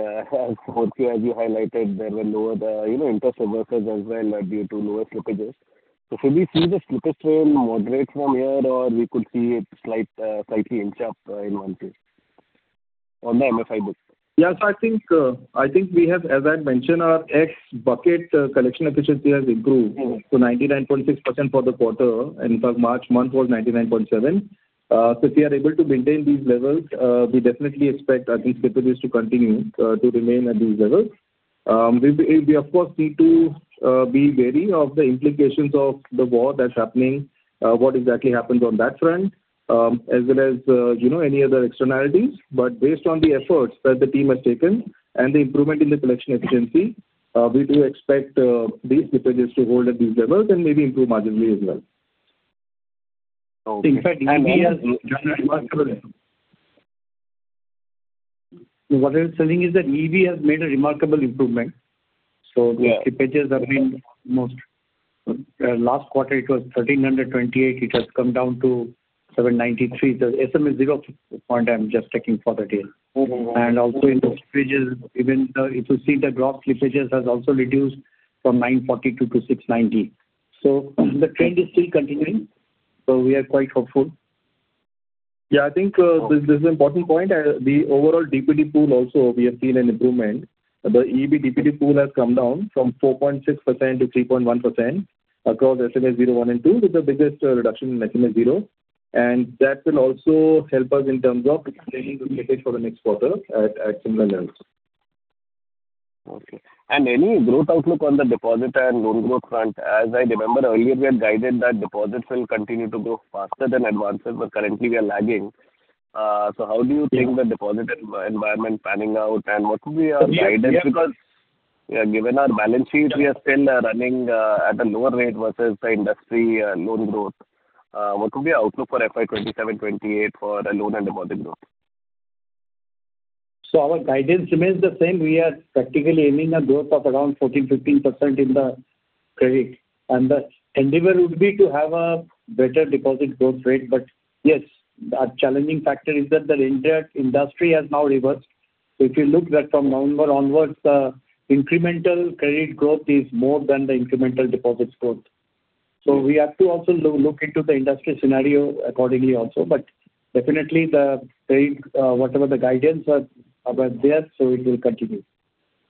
4Q, as you highlighted, there were lower, you know, interest reversals as well, due to lower slippages. Should we see the slippage trend moderate from here or we could see it slight, slightly inch up in one place on the MFI book? Yeah. I think we have, as I had mentioned, our ex-bucket collection efficiency has improved. Mm-hmm. -to 99.6% for the quarter, and for March month was 99.7%. If we are able to maintain these levels, we definitely expect our slippages to continue to remain at these levels. We, we of course need to be wary of the implications of the war that's happening, what exactly happens on that front, as well as, you know, any other externalities. But based on the efforts that the team has taken and the improvement in the collection efficiency, we do expect these slippages to hold at these levels and maybe improve marginally as well. Okay. What I was saying is that EEB has made a remarkable improvement. Yeah. Last quarter it was 1,328. It has come down to 793. The SMA zero point I'm just checking for the day. Mm-hmm. In those slippages, even, if you see the gross slippages has also reduced from 942 to 690. The trend is still continuing, so we are quite hopeful. Yeah. I think this is an important point. The overall DPD pool also we have seen an improvement. The EEB DPD pool has come down from 4.6% to 3.1% across SMA 0, 1 and 2, with the biggest reduction in SMA 0. That will also help us in terms of maintaining the slippage for the next quarter at similar levels. Okay. Any growth outlook on the deposit and loan growth front? As I remember earlier, we had guided that deposits will continue to grow faster than advances, but currently we are lagging. How do you think the deposit environment panning out, and what will be our guidance? Because, given our balance sheet, we are still running at a lower rate versus the industry loan growth. What will be our outlook for FY 2027, 2028 for the loan and deposit growth? Our guidance remains the same. We are practically aiming a growth of around 14%, 15% in the credit, and the endeavor would be to have a better deposit growth rate. Yes, a challenging factor is that the entire industry has now reversed. If you look that from November onwards, the incremental credit growth is more than the incremental deposits growth. We have to also look into the industry scenario accordingly also. Definitely the bank, whatever the guidance are well there, so it will continue.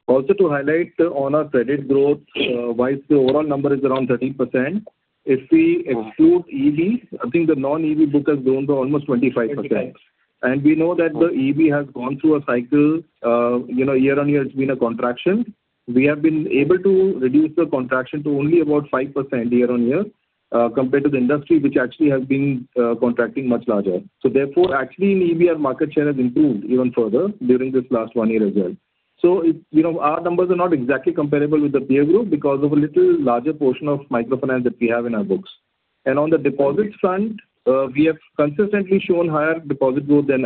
Also to highlight on our credit growth, wise the overall number is around 13%. If we exclude EEB, I think the non-EEB book has grown to almost 25%. Twenty-five. We know that the EEB has gone through a cycle. You know, year-over-year it has been a contraction. We have been able to reduce the contraction to only about 5% year-over-year compared to the industry which actually has been contracting much larger. Therefore, actually in EEB our market share has improved even further during this last one year as well. It, you know, our numbers are not exactly comparable with the peer group because of a little larger portion of microfinance that we have in our books. On the deposits front, we have consistently shown higher deposit growth than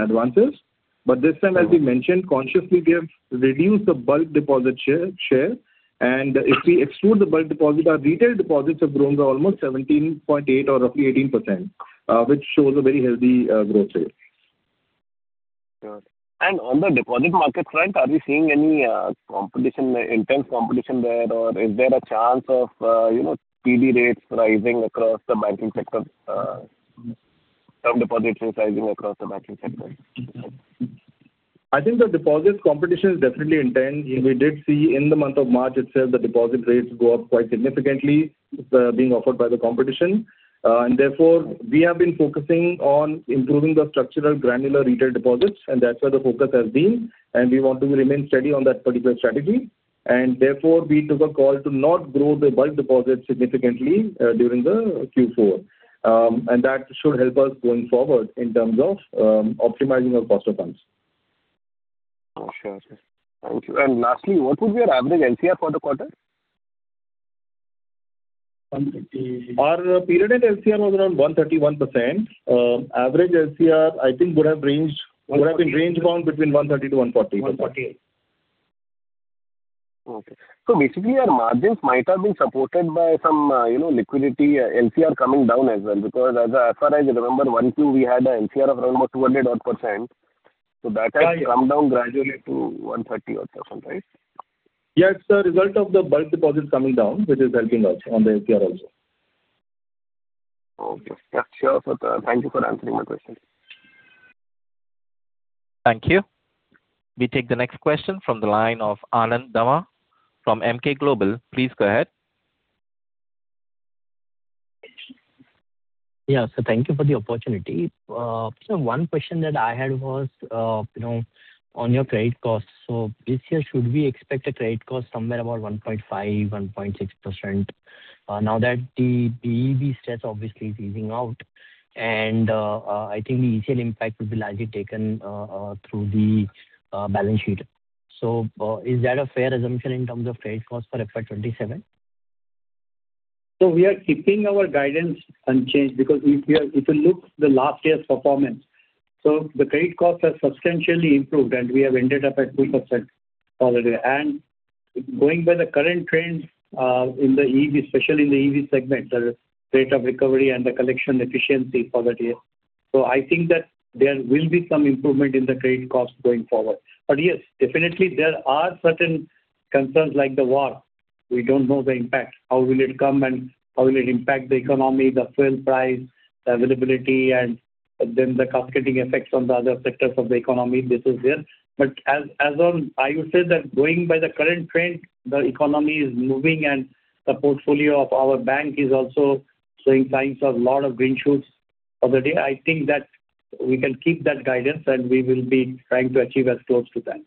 advances. This time, as we mentioned, consciously we have reduced the bulk deposit share, and if we exclude the bulk deposit, our retail deposits have grown to almost 17.8 or roughly 18%, which shows a very healthy growth rate. Sure. On the deposit market front, are we seeing any competition, intense competition there, or is there a chance of, you know, CD rates rising across the banking sector, term deposits rising across the banking sector? I think the deposits competition is definitely intense. We did see in the month of March itself, the deposit rates go up quite significantly, being offered by the competition. Therefore, we have been focusing on improving the structural granular retail deposits, and that's where the focus has been, and we want to remain steady on that particular strategy. Therefore, we took a call to not grow the bulk deposits significantly during the Q4. That should help us going forward in terms of optimizing our cost of funds. Oh, sure. Sure. Thank you. Lastly, what would be your average LCR for the quarter? Our period-end LCR was around 131%. Average LCR I think would have been range bound between 130%-140%. 140%. Okay. Basically our margins might have been supported by some, you know, liquidity LCR coming down as well because as far as I remember, 2012 we had an LCR of around about 200%. That has come down gradually to 130%, right? Yeah. It's a result of the bulk deposits coming down, which is helping us on the LCR also. Okay. Sure, sir. Thank you for answering my questions. Thank you. We take the next question from the line of Anand Dama from Emkay Global. Please go ahead. Yeah. Thank you for the opportunity. One question that I had was, you know, on your credit costs. This year should we expect a credit cost somewhere about 1.5%, 1.6%, now that the EEB stress obviously is easing out and I think the ECL impact will be largely taken through the balance sheet. Is that a fair assumption in terms of credit cost for FY 2027? We are keeping our guidance unchanged because if you look the last year's performance, so the credit costs have substantially improved, and we have ended up at 2% for the day. Going by the current trends, in the EV, especially in the EV segment, the rate of recovery and the collection efficiency for the day. I think that there will be some improvement in the credit cost going forward. Yes, definitely there are certain concerns like the war. We don't know the impact, how will it come and how will it impact the economy, the fuel price, the availability, and then the cascading effects on the other sectors of the economy. This is there. As on, I would say that going by the current trend, the economy is moving and the portfolio of our bank is also showing signs of lot of green shoots for the day. I think that we can keep that guidance, and we will be trying to achieve as close to that.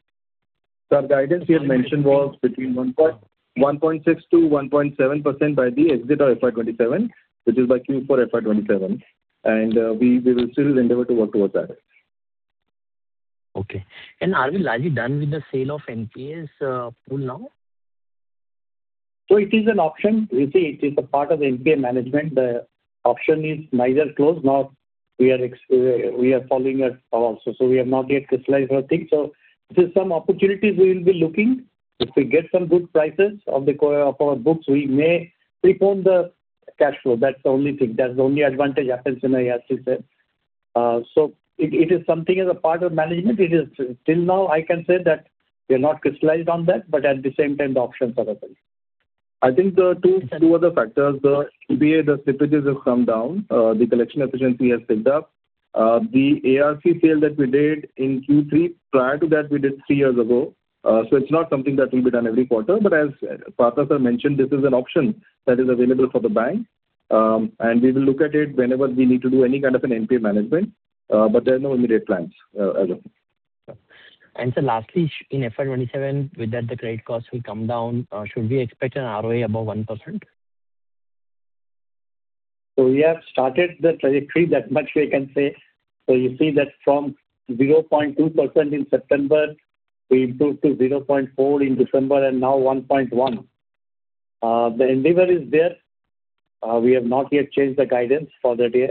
The guidance we had mentioned was between 1.6% to 1.7% by the exit of FY 2027, which is by Q4 FY 2027. We will still endeavor to work towards that. Okay. Are we largely done with the sale of NPAs, pool now? It is an option. You see it is a part of the NPA management. The option is neither closed nor we are following it also. We have not yet crystallized anything. If there's some opportunities, we will be looking. If we get some good prices of the books, we may preform the cash flow. That's the only thing. That's the only advantage happens in a ARC sale. It is something as a part of management. It is till now I can say that we are not crystallized on that, but at the same time the options are open. I think the two other factors, the slippages have come down. The collection efficiency has picked up. The ARC sale that we did in Q3, prior to that we did three years ago. It's not something that will be done every quarter. As Partha mentioned, this is an option that is available for the bank. We will look at it whenever we need to do any kind of an NPA management. There are no immediate plans. Sir, lastly, in FY 2027, with that the credit costs will come down. Should we expect an ROA above 1%? We have started the trajectory, that much we can say. You see that from 0.2% in September, we improved to 0.4% in December and now 1.1%. The endeavor is there. We have not yet changed the guidance for the day.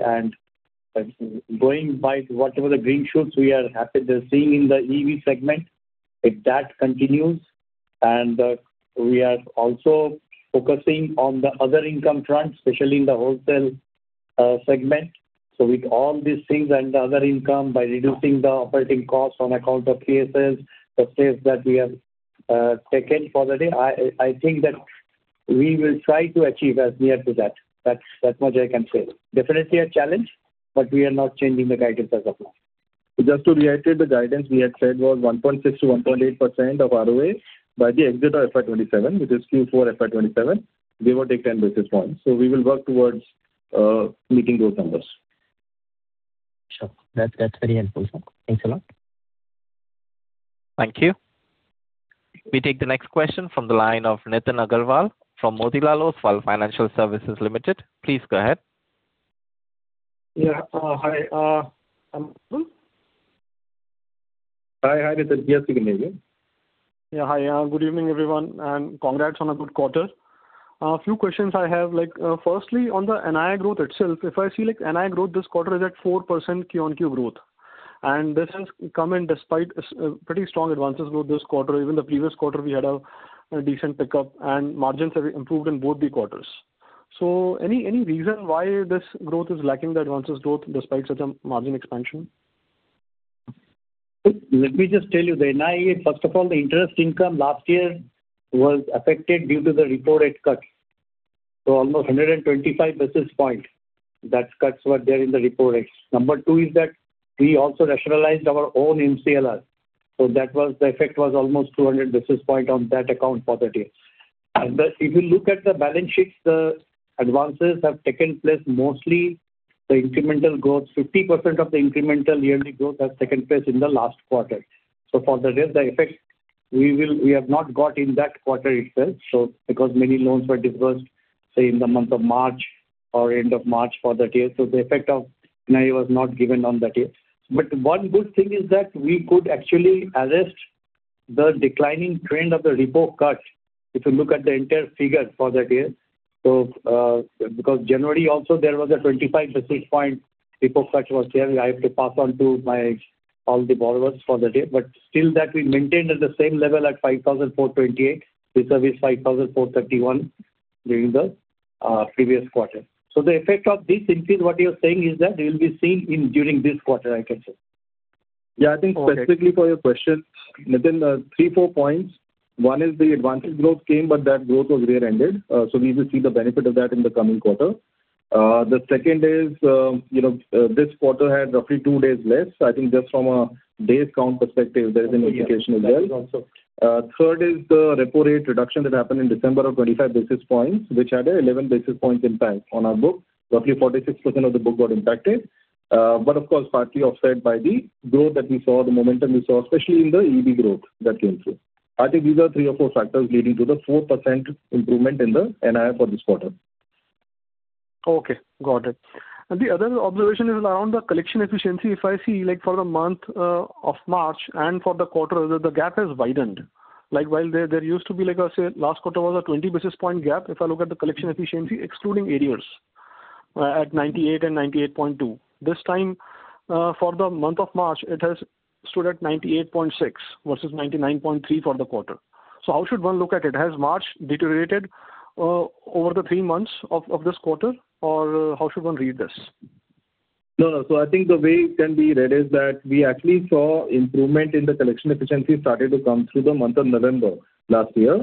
Going by whatever the green shoots we are happy to seeing in the EV segment, if that continues and we are also focusing on the other income trends, especially in the wholesale segment. With all these things and the other income by reducing the operating costs on account of cases, the steps that we have taken for the day, I think that we will try to achieve as near to that. That much I can say. Definitely a challenge, but we are not changing the guidance as of now. Just to reiterate, the guidance we had said was 1.6-1.8% of ROA by the exit of FY 2027, which is Q4 FY 2027, give or take 10 basis points. We will work towards meeting those numbers. Sure. That's very helpful. Thanks a lot. Thank you. We take the next question from the line of Nitin Aggarwal from Motilal Oswal Financial Services Limited. Please go ahead. Hi. Hi. Hi, Nitin. Yes, we can hear you. Hi. Good evening, everyone, and congrats on a good quarter. A few questions I have, like, firstly on the NII growth itself. If I see like NII growth this quarter is at 4% QOQ growth. This has come in despite pretty strong advances growth this quarter. Even the previous quarter, we had a decent pickup and margins have improved in both the quarters. Any reason why this growth is lacking the advances growth despite such margin expansion? Let me just tell you the NII. First of all, the interest income last year was affected due to the repo rate cut. Almost 125 basis points that cuts were there in the repo rates. Number two is that we also rationalized our own MCLR. That was the effect was almost 200 basis points on that account for that year. If you look at the balance sheets, the advances have taken place mostly the incremental growth, 50% of the incremental yearly growth has taken place in the last quarter. For the rest, the effect we have not got in that quarter itself, because many loans were disbursed, say, in the month of March or end of March for that year. The effect of NII was not given on that year. One good thing is that we could actually arrest the declining trend of the repo cuts if you look at the entire figure for that year. Because January also there was a 25 basis point repo cut was there, and I have to pass on to my all the borrowers for the day. Still that we maintained at the same level at 5,428. We service 5,431 during the previous quarter. The effect of this increase, what you're saying is that they will be seen in during this quarter, I can say. Yeah, I think specifically for your question, within three, four points. One is the advantage growth came, but that growth was rear-ended. We will see the benefit of that in the coming quarter. The second is, you know, this quarter had roughly two days less. I think just from a days count perspective, there is an implication as well. Okay. Yeah. That is also. Third is the repo rate reduction that happened in December of 25 basis points, which had an 11 basis points impact on our book. Roughly 46% of the book got impacted. Of course, partly offset by the growth that we saw, the momentum we saw, especially in the EEB growth that came through. I think these are three or four factors leading to the 4% improvement in the NII for this quarter. Okay, got it. The other observation is around the collection efficiency. If I see, like, for the month of March and for the quarter, the gap has widened. Like, while there used to be like a say last quarter was a 20 basis points gap if I look at the collection efficiency excluding arrears, at 98 and 98.2. This time, for the month of March, it has stood at 98.6 versus 99.3 for the quarter. How should one look at it? Has March deteriorated over the 3 months of this quarter, or how should one read this? No, no. I think the way it can be read is that we actually saw improvement in the collection efficiency started to come through the month of November last year.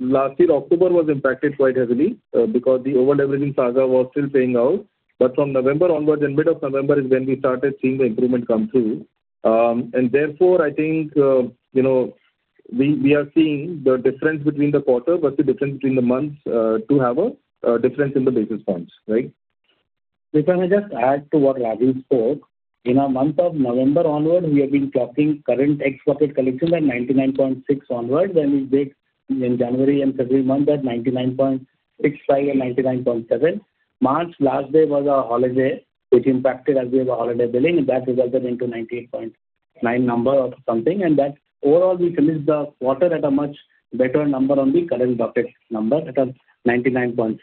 Last year, October was impacted quite heavily because the over-leveraging saga was still playing out. From November onwards, in mid of November is when we started seeing the improvement come through. Therefore, I think we are seeing the difference between the quarter versus difference between the months to have a difference in the basis points, right? If I may just add to what Rajeev spoke. In a month of November onward, we have been tracking current ex-bucket collections at 99.6 onwards, and we break in January and February month at 99.65 and 99.7. March last day was a holiday which impacted as we have a holiday billing, that resulted into 98.9 number or something. That overall we finished the quarter at a much better number on the current bucket number at 99.6.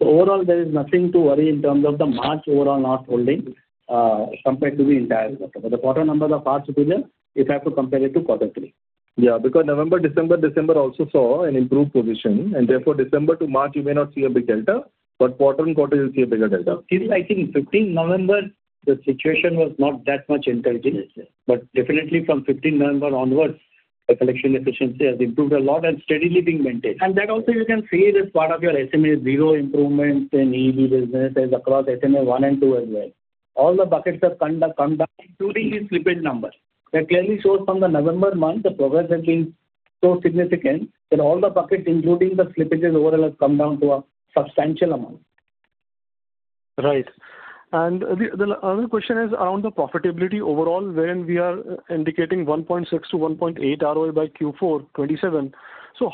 Overall, there is nothing to worry in terms of the March overall not holding compared to the entire quarter. The quarter numbers are far superior if you have to compare it to quarter three. Yeah. November, December also saw an improved position and therefore December to March you may not see a big delta, but quarter-on-quarter you'll see a bigger delta. Still I think 15 November the situation was not that much encouraging. Yes, yes. Definitely from 15 November onwards the collection efficiency has improved a lot and steadily being maintained. That also you can see as part of your SMA 0 improvements in EEB businesses across SMA 1 and 2 as well. All the buckets have come down including the slippage numbers. That clearly shows from the November month the progress has been so significant that all the buckets including the slippages overall has come down to a substantial amount. Right. The other question is around the profitability overall, wherein we are indicating 1.6% to 1.8% ROE by Q4 2027.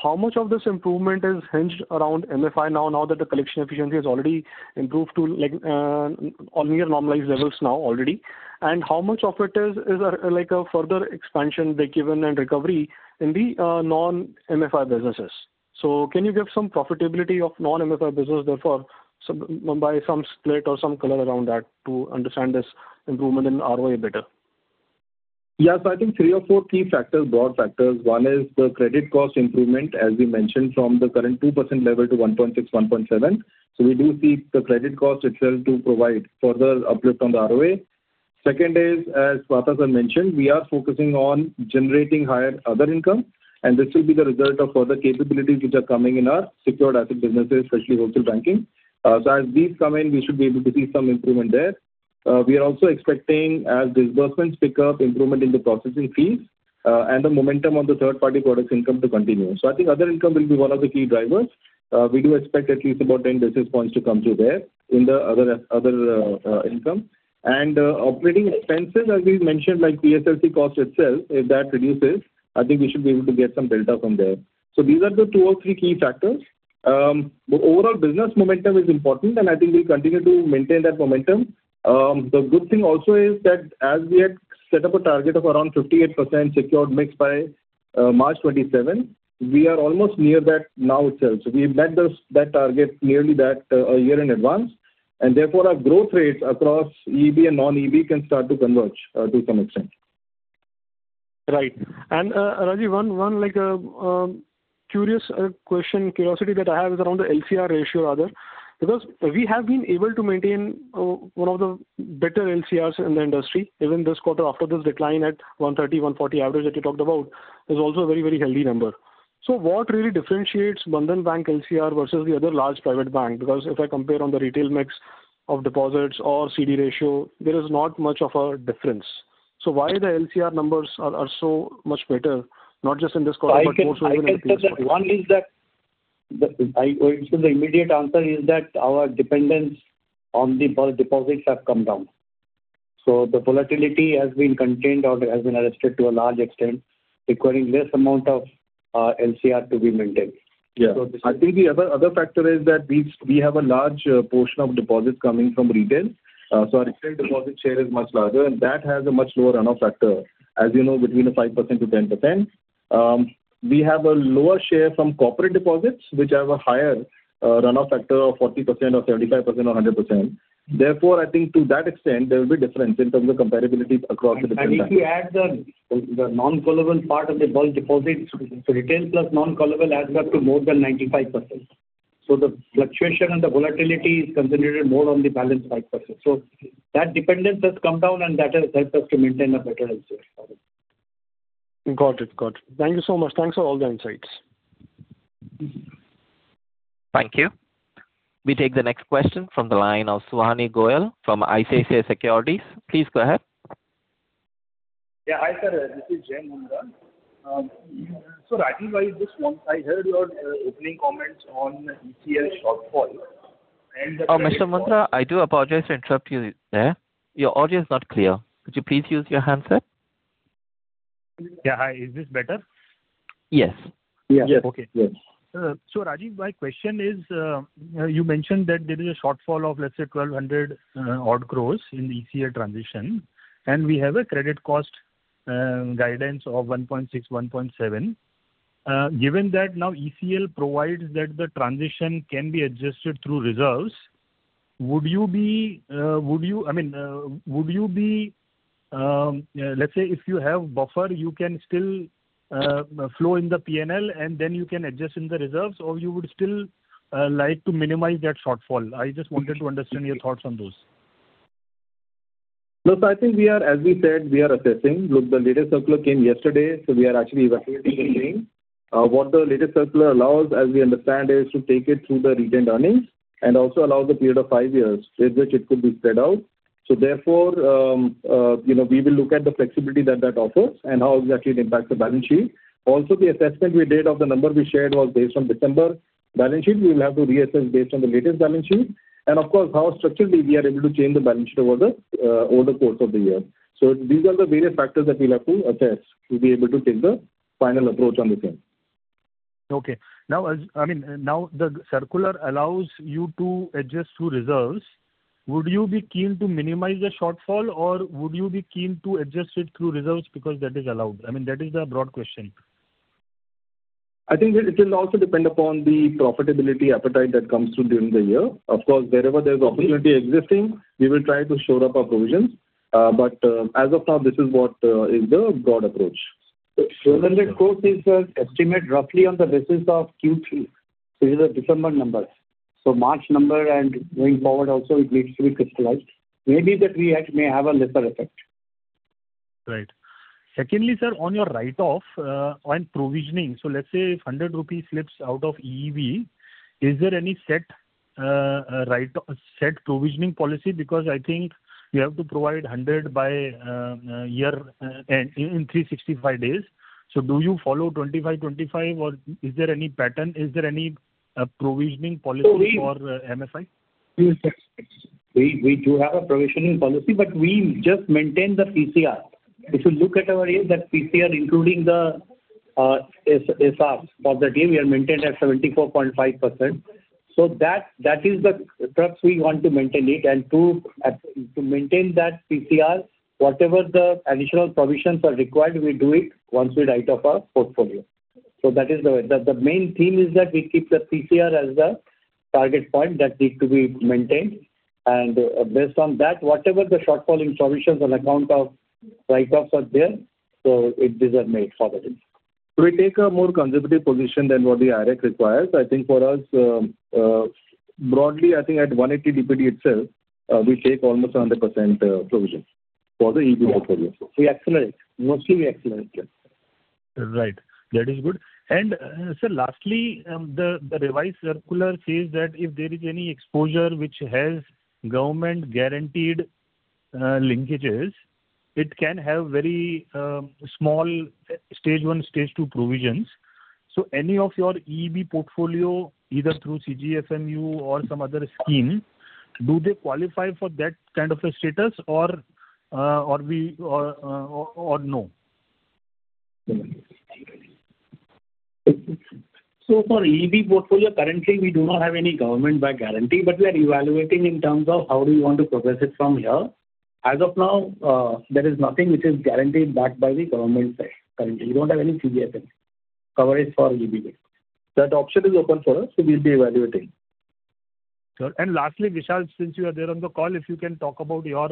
How much of this improvement is hinged around MFI now that the collection efficiency has already improved to like, on near normalized levels now already? How much of it is like a further expansion they given and recovery in the non-MFI businesses. Can you give some profitability of non-MFI business therefore some split or some color around that to understand this improvement in ROE better? I think three or four key factors, broad factors. One is the credit cost improvement, as we mentioned from the current 2% level to 1.6%-1.7%. We do see the credit cost itself to provide further uplift on the ROE. Second is, as Partha Pratim Sengupta mentioned, we are focusing on generating higher other income. This will be the result of further capabilities which are coming in our secured asset businesses, especially wholesale banking. As these come in, we should be able to see some improvement there. We are also expecting as disbursements pick up improvement in the processing fees, and the momentum on the third party products income to continue. I think other income will be one of the key drivers. We do expect at least about 10 basis points to come through there in the other income. Operating expenses as we mentioned, like PSLC cost itself, if that reduces, I think we should be able to get some delta from there. These are the two or three key factors. The overall business momentum is important, and I think we'll continue to maintain that momentum. The good thing also is that as we had set up a target of around 58% secured mix by March 2027. We are almost near that now itself. We met those, that target nearly that, a year in advance. Therefore our growth rate across EEB and non-EEB can start to converge to some extent. Right. Rajeev, one like curious question, curiosity that I have is around the LCR ratio rather. We have been able to maintain one of the better LCRs in the industry, even this quarter after this decline at 130, 140 average that you talked about is also a very healthy number. What really differentiates Bandhan Bank LCR versus the other large private bank? If I compare on the retail mix of deposits or CD ratio, there is not much of a difference. Why the LCR numbers are so much better, not just in this quarter, but more so over the previous quarter? I can say that one is that the. The immediate answer is that our dependence on the bulk deposits have come down. The volatility has been contained or has been arrested to a large extent, requiring less amount of LCR to be maintained. Yeah. So this is- I think the other factor is that we have a large portion of deposits coming from retail. Our retail deposit share is much larger, and that has a much lower runoff factor, as you know, between 5%-10%. We have a lower share from corporate deposits, which have a higher runoff factor of 40% or 35% or 100%. Therefore, I think to that extent there will be difference in terms of comparability across the different banks. If you add the non-callable part of the bulk deposits, retail plus non-callable adds up to more than 95%. The fluctuation and the volatility is concentrated more on the balanced 5%. That dependence has come down and that has helped us to maintain a better LCR for it. Got it. Thank you so much. Thanks for all the insights. Thank you. We take the next question from the line of Suhani Goyal from ICICI Securities. Please go ahead. Yeah. Hi, sir, this is Jai Mundhra. Rajeev, I heard your opening comments on ECL shortfall. Oh, Mr. Mundhra, I do apologize to interrupt you there. Your audio is not clear. Could you please use your handset? Yeah. Hi. Is this better? Yes. Yes. Yes. Yes. Okay. Rajeev, my question is, you mentioned that there is a shortfall of, let's say, 1,200 odd crores in the ECL transition, and we have a credit cost guidance of 1.6, 1.7. Given that now ECL provides that the transition can be adjusted through reserves, would you be, I mean, would you be... Let's say if you have buffer, you can still flow in the P&L and then you can adjust in the reserves, or you would still like to minimize that shortfall. I just wanted to understand your thoughts on those. Look, I think we are as we said, we are assessing. Look, the latest circular came yesterday, so we are actually evaluating the same. What the latest circular allows, as we understand, is to take it through the retained earnings and also allows a period of five years with which it could be spread out. Therefore, you know, we will look at the flexibility that that offers and how exactly it impacts the balance sheet. Also, the assessment we did of the number we shared was based on December balance sheet. We will have to reassess based on the latest balance sheet and of course how structurally we are able to change the balance sheet over the course of the year. These are the various factors that we'll have to assess to be able to take the final approach on the same. Okay. Now, I mean, the circular allows you to adjust through reserves. Would you be keen to minimize the shortfall, or would you be keen to adjust it through reserves because that is allowed? I mean, that is the broad question. I think it will also depend upon the profitability appetite that comes through during the year. Of course, wherever there is opportunity existing, we will try to shore up our provisions. As of now, this is what is the broad approach. The course is, estimate roughly on the basis of Q3. This is a December number. March number and going forward also it needs to be crystallized. Maybe the Tier 1 may have a lesser effect. Right. Secondly, sir, on your write-off, on provisioning. Let's say if 100 rupees slips out of EEB, is there any set, write-off, set provisioning policy? Because I think you have to provide 100 by year, in 365 days. Do you follow 25-25, or is there any pattern? Is there any provisioning policy? So we- for MFI? We do have a provisioning policy, but we just maintain the PCR. If you look at our aims, that PCR, including the SR, for the year we have maintained at 74.5%. That, that is the crux we want to maintain it. To maintain that PCR, whatever the additional provisions are required, we do it once we write off our portfolio. That is the way. The main theme is that we keep the PCR as the target point that need to be maintained. Based on that, whatever the shortfall in provisions on account of write-offs are there, these are made for that reason. We take a more conservative position than what the IRAC requires. I think for us, broadly, I think at 180 DPD itself, we take almost 100% provision for the EEB portfolio. We accelerate. Mostly we accelerate, yes. Right. That is good. Sir, lastly, the revised circular says that if there is any exposure which has government-guaranteed linkages, it can have very small stage one, stage two provisions. Any of your EEB portfolio, either through CGFMU or some other scheme, do they qualify for that kind of a status or we or no? For EB portfolio, currently we do not have any government back guarantee. We are evaluating in terms of how do we want to progress it from here. As of now, there is nothing which is guaranteed backed by the government side currently. We don't have any CGFMU coverage for EB. That option is open for us, we'll be evaluating. Sure. Lastly, Vikash, since you are there on the call, if you can talk about your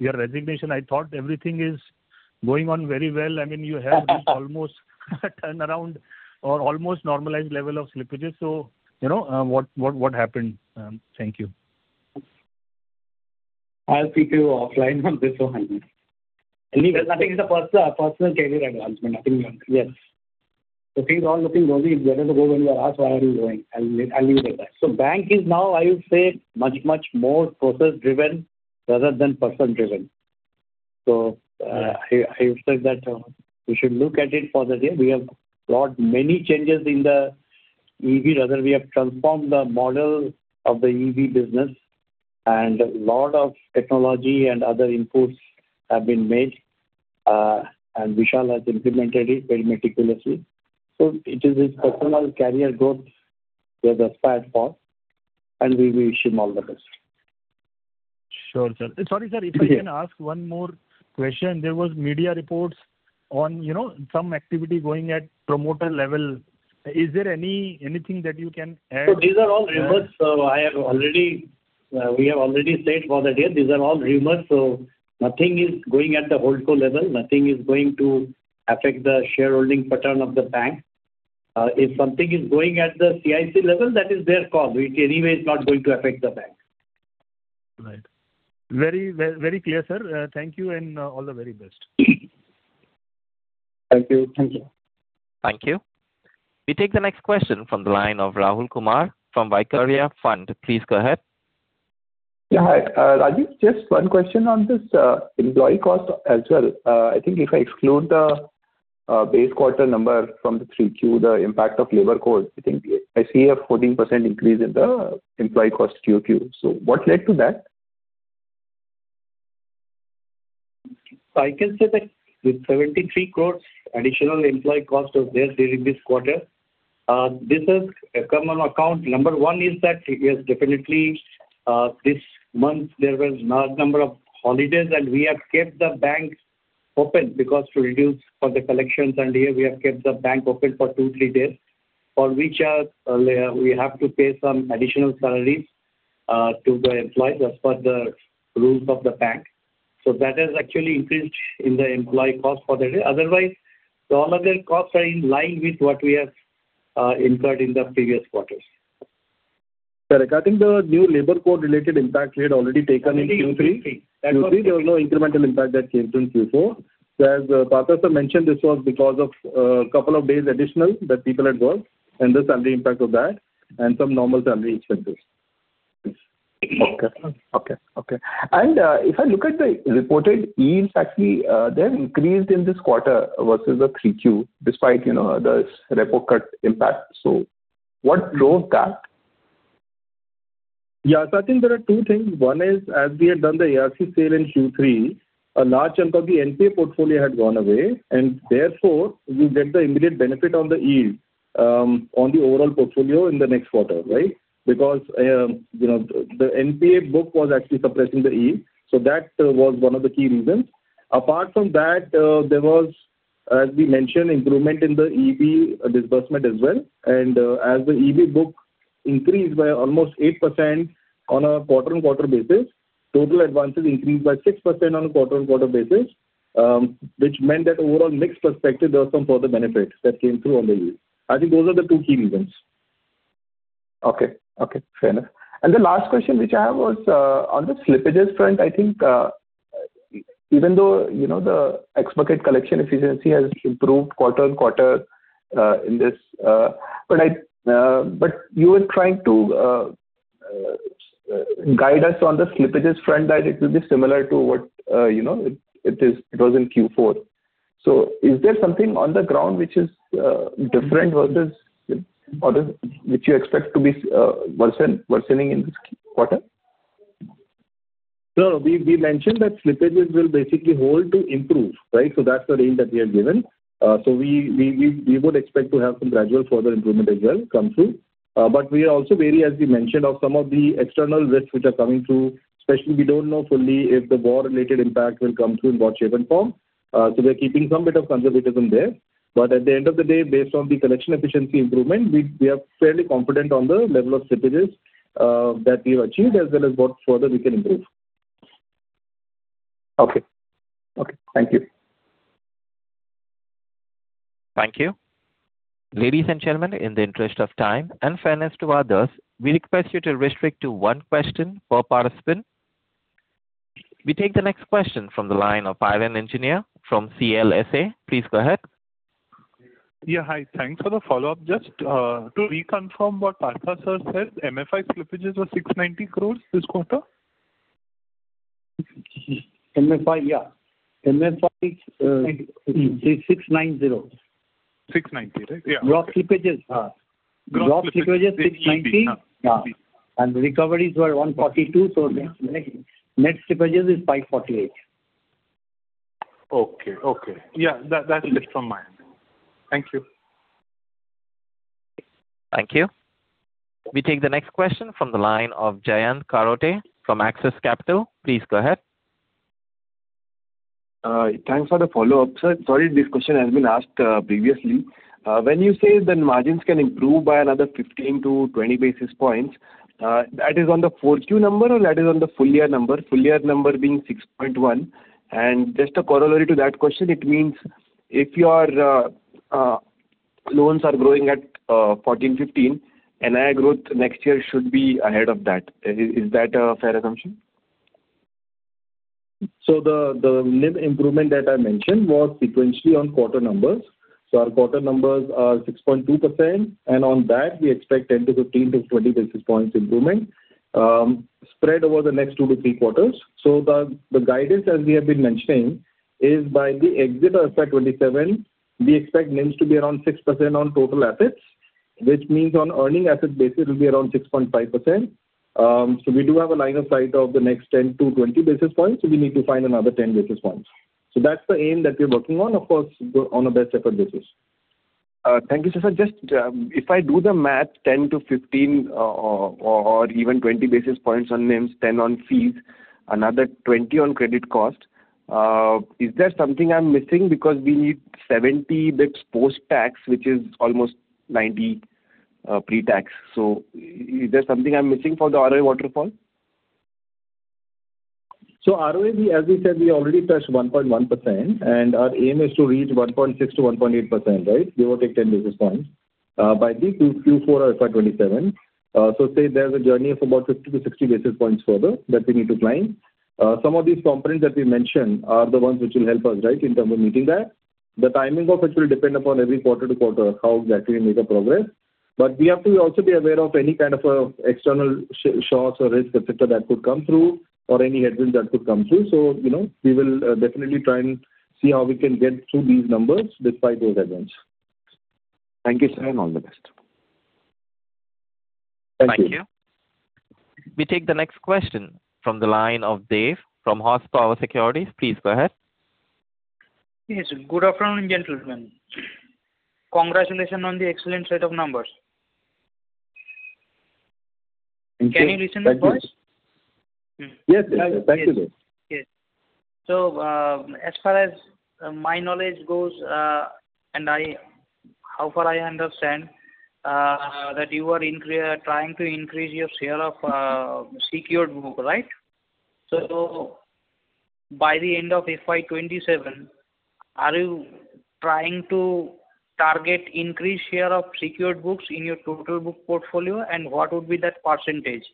resignation. I thought everything is going on very well. I mean, you have this almost turnaround or almost normalized level of slippages. You know, what happened? Thank you. I'll speak to you offline on this one. Nothing, it's a personal career advancement. Nothing wrong. Yes. Things are all looking rosy. If you ever go and you are asked, "Why are you going?" I'll leave it at that. Bank is now, I would say, much, much more process-driven rather than person-driven. I would say that we should look at it for that year. We have brought many changes in the EEB. Rather, we have transformed the model of the EEB business and a lot of technology and other inputs have been made, and Vikash has implemented it very meticulously. It is his personal career growth he has aspired for, and we wish him all the best. Sure, sir. Sorry, sir, if I can ask one more question. There was media reports on, you know, some activity going at promoter level. Is there anything that you can add? These are all rumors. I have already, we have already said for the year these are all rumors, so nothing is going at the holdco level. Nothing is going to affect the shareholding pattern of the bank. If something is going at the CIC level, that is their call. It anyway is not going to affect the bank. Right. Very, very clear, sir. Thank you and all the very best. Thank you. Thank you. Thank you. We take the next question from the line of Rahul Kumar from Vaikarya Fund. Please go ahead. Yeah, hi. Rajeev, just one question on this employee cost as well. I think if I exclude the base quarter number from the 3Q, the impact of labor cost, I think I see a 14% increase in the employee cost QOQ. What led to that? I can say that with 73 crores additional employee cost was there during this quarter. This is a common account. Number one is that, yes, definitely, this month there was large number of holidays and we have kept the banks open because to reduce for the collections and here we have kept the bank open for two, three days. For which, we have to pay some additional salaries to the employees as per the rules of the bank. That has actually increased in the employee cost for the year. Otherwise, all other costs are in line with what we have incurred in the previous quarters. Sir, regarding the new labor code related impact we had already taken in Q3. Q3, there was no incremental impact that came through in Q4. As Partha Sir mentioned, this was because of 2 days additional that people had worked and the salary impact of that and some normal salary increases. Okay. Okay. Okay. If I look at the reported yields actually, they have increased in this quarter versus the 3 Q despite, you know, the repo cut impact. What drove that? Yeah. I think there are two things. One is, as we had done the ARC sale in Q3, a large chunk of the NPA portfolio had gone away and therefore we get the immediate benefit on the yield on the overall portfolio in the next quarter, right? The NPA book was actually suppressing the yield. That was one of the key reasons. Apart from that, there was, as we mentioned, improvement in the EEB disbursement as well. As the EEB book increased by almost 8% on a quarter-over-quarter basis, total advances increased by 6% on a quarter-over-quarter basis, which meant that overall mixed perspective, there was some further benefits that came through on the yield. I think those are the two key reasons. Okay. Okay. Fair enough. The last question which I have was on the slippages front. I think, even though, you know, the X bucket collection efficiency has improved quarter-on-quarter in this. You were trying to guide us on the slippages front that it will be similar to what, you know, it was in Q4. Is there something on the ground which is different versus other, which you expect to be worsening in this quarter? No. We mentioned that slippages will basically hold to improve, right? That's the range that we have given. We would expect to have some gradual further improvement as well come through. We are also wary, as we mentioned, of some of the external risks which are coming through, especially we don't know fully if the war related impact will come through in what shape and form. We are keeping some bit of conservatism there. At the end of the day, based on the collection efficiency improvement, we are fairly confident on the level of slippages that we have achieved as well as what further we can improve. Okay. Okay. Thank you. Thank you. Ladies and gentlemen, in the interest of time and fairness to others, we request you to restrict to 1 question per participant. We take the next question from the line of Piran Engineer from CLSA. Please go ahead. Yeah. Hi. Thanks for the follow-up. Just to reconfirm what Partha Sir said, MFI slippages were 690 crore this quarter? MFI, yeah. MFI, 690. 690. Yeah. Raw slippages. Drop slippages 690. Yeah. The recoveries were 142. The next slippages is 548. Okay. Okay. Yeah. That's it from my end. Thank you. Thank you. We take the next question from the line of Jayant Kharote from Axis Capital. Please go ahead. Thanks for the follow-up, sir. Sorry if this question has been asked previously. When you say the margins can improve by another 15-20 basis points, that is on the 4Q number or that is on the full year number? Full year number being 6.1. Just a corollary to that question, it means if your loans are growing at 14%-15%, NIM growth next year should be ahead of that. Is that a fair assumption? The NIM improvement that I mentioned was sequentially on quarter numbers. Our quarter numbers are 6.2%, and on that we expect 10 to 15 to 20 basis points improvement, spread over the next two to three quarters. The guidance, as we have been mentioning, is by the exit of FY 2027, we expect NIMs to be around 6% on total assets, which means on earning assets basically it will be around 6.5%. We do have a line of sight of the next 10 to 20 basis points, so we need to find another 10 basis points. That's the aim that we're working on, of course, on a best effort basis. Thank you, sir. Just, if I do the math, 10-15 or even 20 basis points on NIMs, 10 on fees, another 20 on credit cost, is there something I'm missing? Because we need 70 basis points post-tax, which is almost 90 pre-tax. Is there something I'm missing for the ROA waterfall? ROA, we, as we said, we already touched 1.1%, and our aim is to reach 1.6%-1.8%, right? Give or take 10 basis points, by the Q4 or FY 2027. Say there's a journey of about 50-60 basis points further that we need to climb. Some of these components that we mentioned are the ones which will help us, right, in terms of meeting that. The timing of it will depend upon every quarter to quarter how exactly we make a progress. We have to also be aware of any kind of external shocks or risks, et cetera, that could come through or any headwinds that could come through. You know, we will definitely try and see how we can get through these numbers despite those headwinds. Thank you, sir, and all the best. Thank you. Thank you. We take the next question from the line of Dev from Power Securities. Please go ahead. Yes. Good afternoon, gentlemen. Congratulations on the excellent set of numbers. Thank you. Can you hear my voice? Yes. Yes. Thank you. Yes. As far as my knowledge goes, and I, how far I understand, that you are trying to increase your share of secured book, right? By the end of FY 2027, are you trying to target increased share of secured books in your total book portfolio, and what would be that percentage?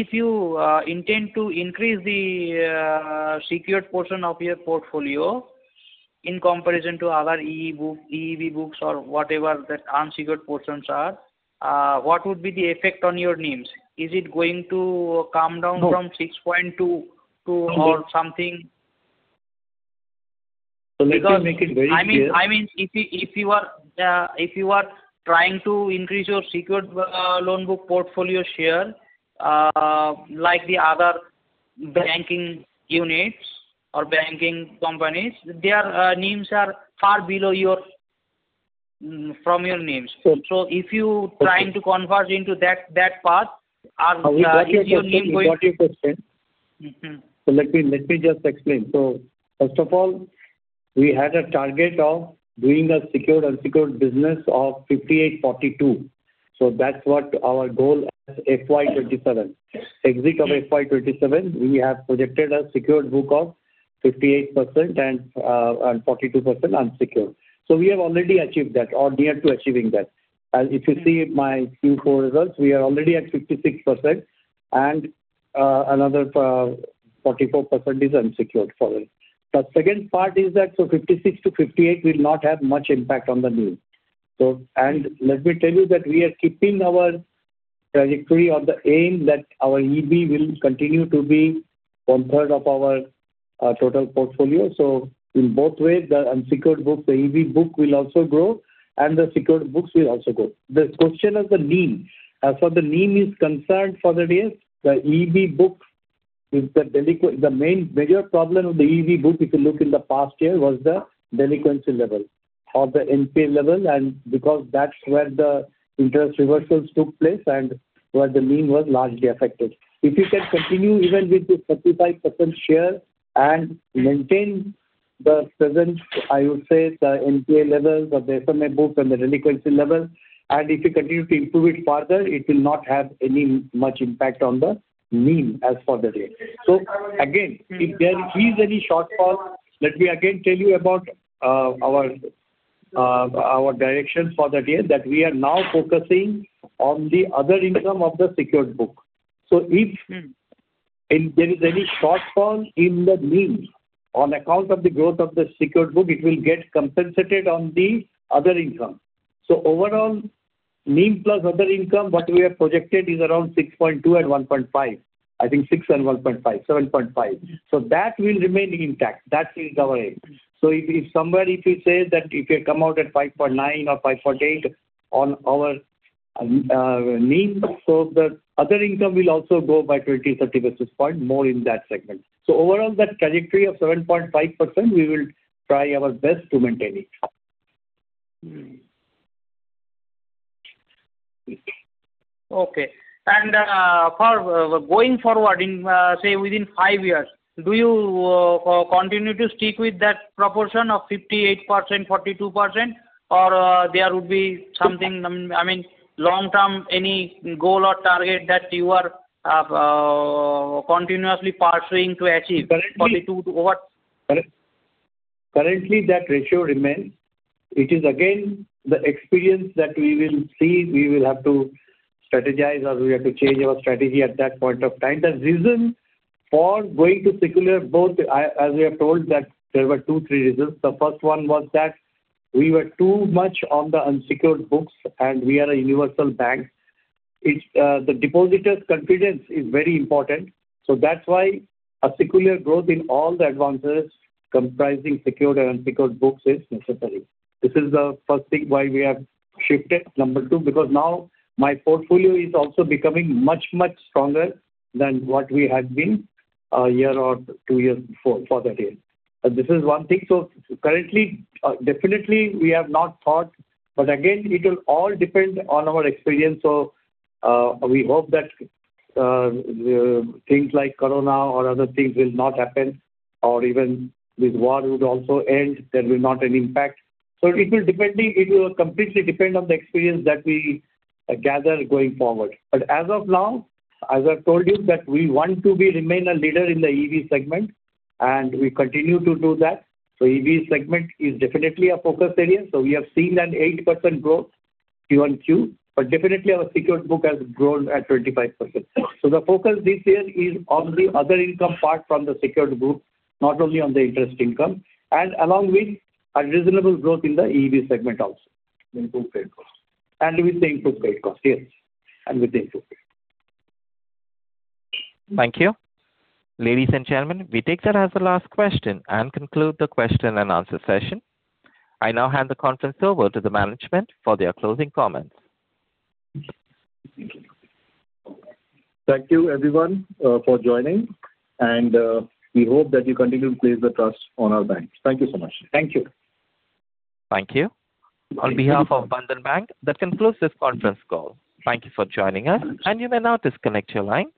If you intend to increase the secured portion of your portfolio in comparison to other EEB or whatever the unsecured portions are, what would be the effect on your NIMs? Is it going to come down? No. from 6.2% to or something? Let me make it very clear. I mean, if you are trying to increase your secured loan book portfolio share, like the other banking units or banking companies, their NIMs are far below your from your NIMs. Sure. If you trying to converge into that path, is your NIM going to? We got your question. Mm-hmm. Let me just explain. First of all, we had a target of doing a secured-unsecured business of 58%-42%. That's what our goal as FY 2027. Exit of FY 2027, we have projected a secured book of 58% and 42% unsecured. We have already achieved that or near to achieving that. As if you see my Q4 results, we are already at 56% and another 44% is unsecured for it. The second part is that 56%-58% will not have much impact on the NIM. Let me tell you that we are keeping our trajectory or the aim that our EEB will continue to be 1/3 of our total portfolio. In both ways, the unsecured book, the EEB book will also grow and the secured books will also grow. The question of the NIM. As far the NIM is concerned for the day, the EB book is the delinquent. The main, major problem of the EB book, if you look in the past year, was the delinquency level or the NPA level and because that's where the interest reversals took place and where the NIM was largely affected. If you can continue even with this 35% share and maintain the present, I would say, the NPA levels of the SMA book and the delinquency level, and if you continue to improve it further, it will not have any much impact on the NIM as for the day. Again, if there is any shortfall, let me again tell you about our direction for the day that we are now focusing on the other income of the secured book. Mm-hmm. If there is any shortfall in the NIM on account of the growth of the secured book, it will get compensated on the other income. Overall, NIM plus other income, what we have projected is around 6.2% and 1.5%. I think 6% and 1.5%, 7.5%. That will remain intact. That is our aim. If somewhere if we say that if we come out at 5.9% or 5.8% on our NIM, the other income will also go by 20, 30 basis points more in that segment. Overall, that trajectory of 7.5%, we will try our best to maintain it. Okay. For going forward in, say, within 5 years, do you continue to stick with that proportion of 58%, 42%? I mean, long term, any goal or target that you are continuously pursuing to achieve? Currently- 42 to what? Currently, that ratio remains. It is again the experience that we will see. We will have to strategize or we have to change our strategy at that point of time. The reason for going to sectoral growth, I, as I have told that there were two, three reasons. The first one was that we were too much on the unsecured books and we are a universal bank. It's, the depositors' confidence is very important. That's why a sectoral growth in all the advances comprising secured and unsecured books is necessary. This is the first thing why we have shifted. Number two, because now my portfolio is also becoming much, much stronger than what we had been a year or two years before for that year. This is one thing. Currently, definitely we have not thought, but again, it will all depend on our experience. We hope that things like corona or other things will not happen or even this war would also end. There will not an impact. It will completely depend on the experience that we gather going forward. As of now, as I told you, that we want to be remain a leader in the EV segment, and we continue to do that. EV segment is definitely a focus area. We have seen an 8% growth QoQ, definitely our secured book has grown at 25%. The focus this year is on the other income part from the secured book, not only on the interest income, and along with a reasonable growth in the EV segment also. Improved credit cost. And with the improved credit cost, yes. With the improved credit cost. Thank you. Ladies and gentlemen, we take that as the last question and conclude the question and answer session. I now hand the conference over to the management for their closing comments. Thank you everyone, for joining. We hope that you continue to place the trust on our bank. Thank you so much. Thank you. On behalf of Bandhan Bank, that concludes this conference call. Thank you for joining us. Thanks. You may now disconnect your line.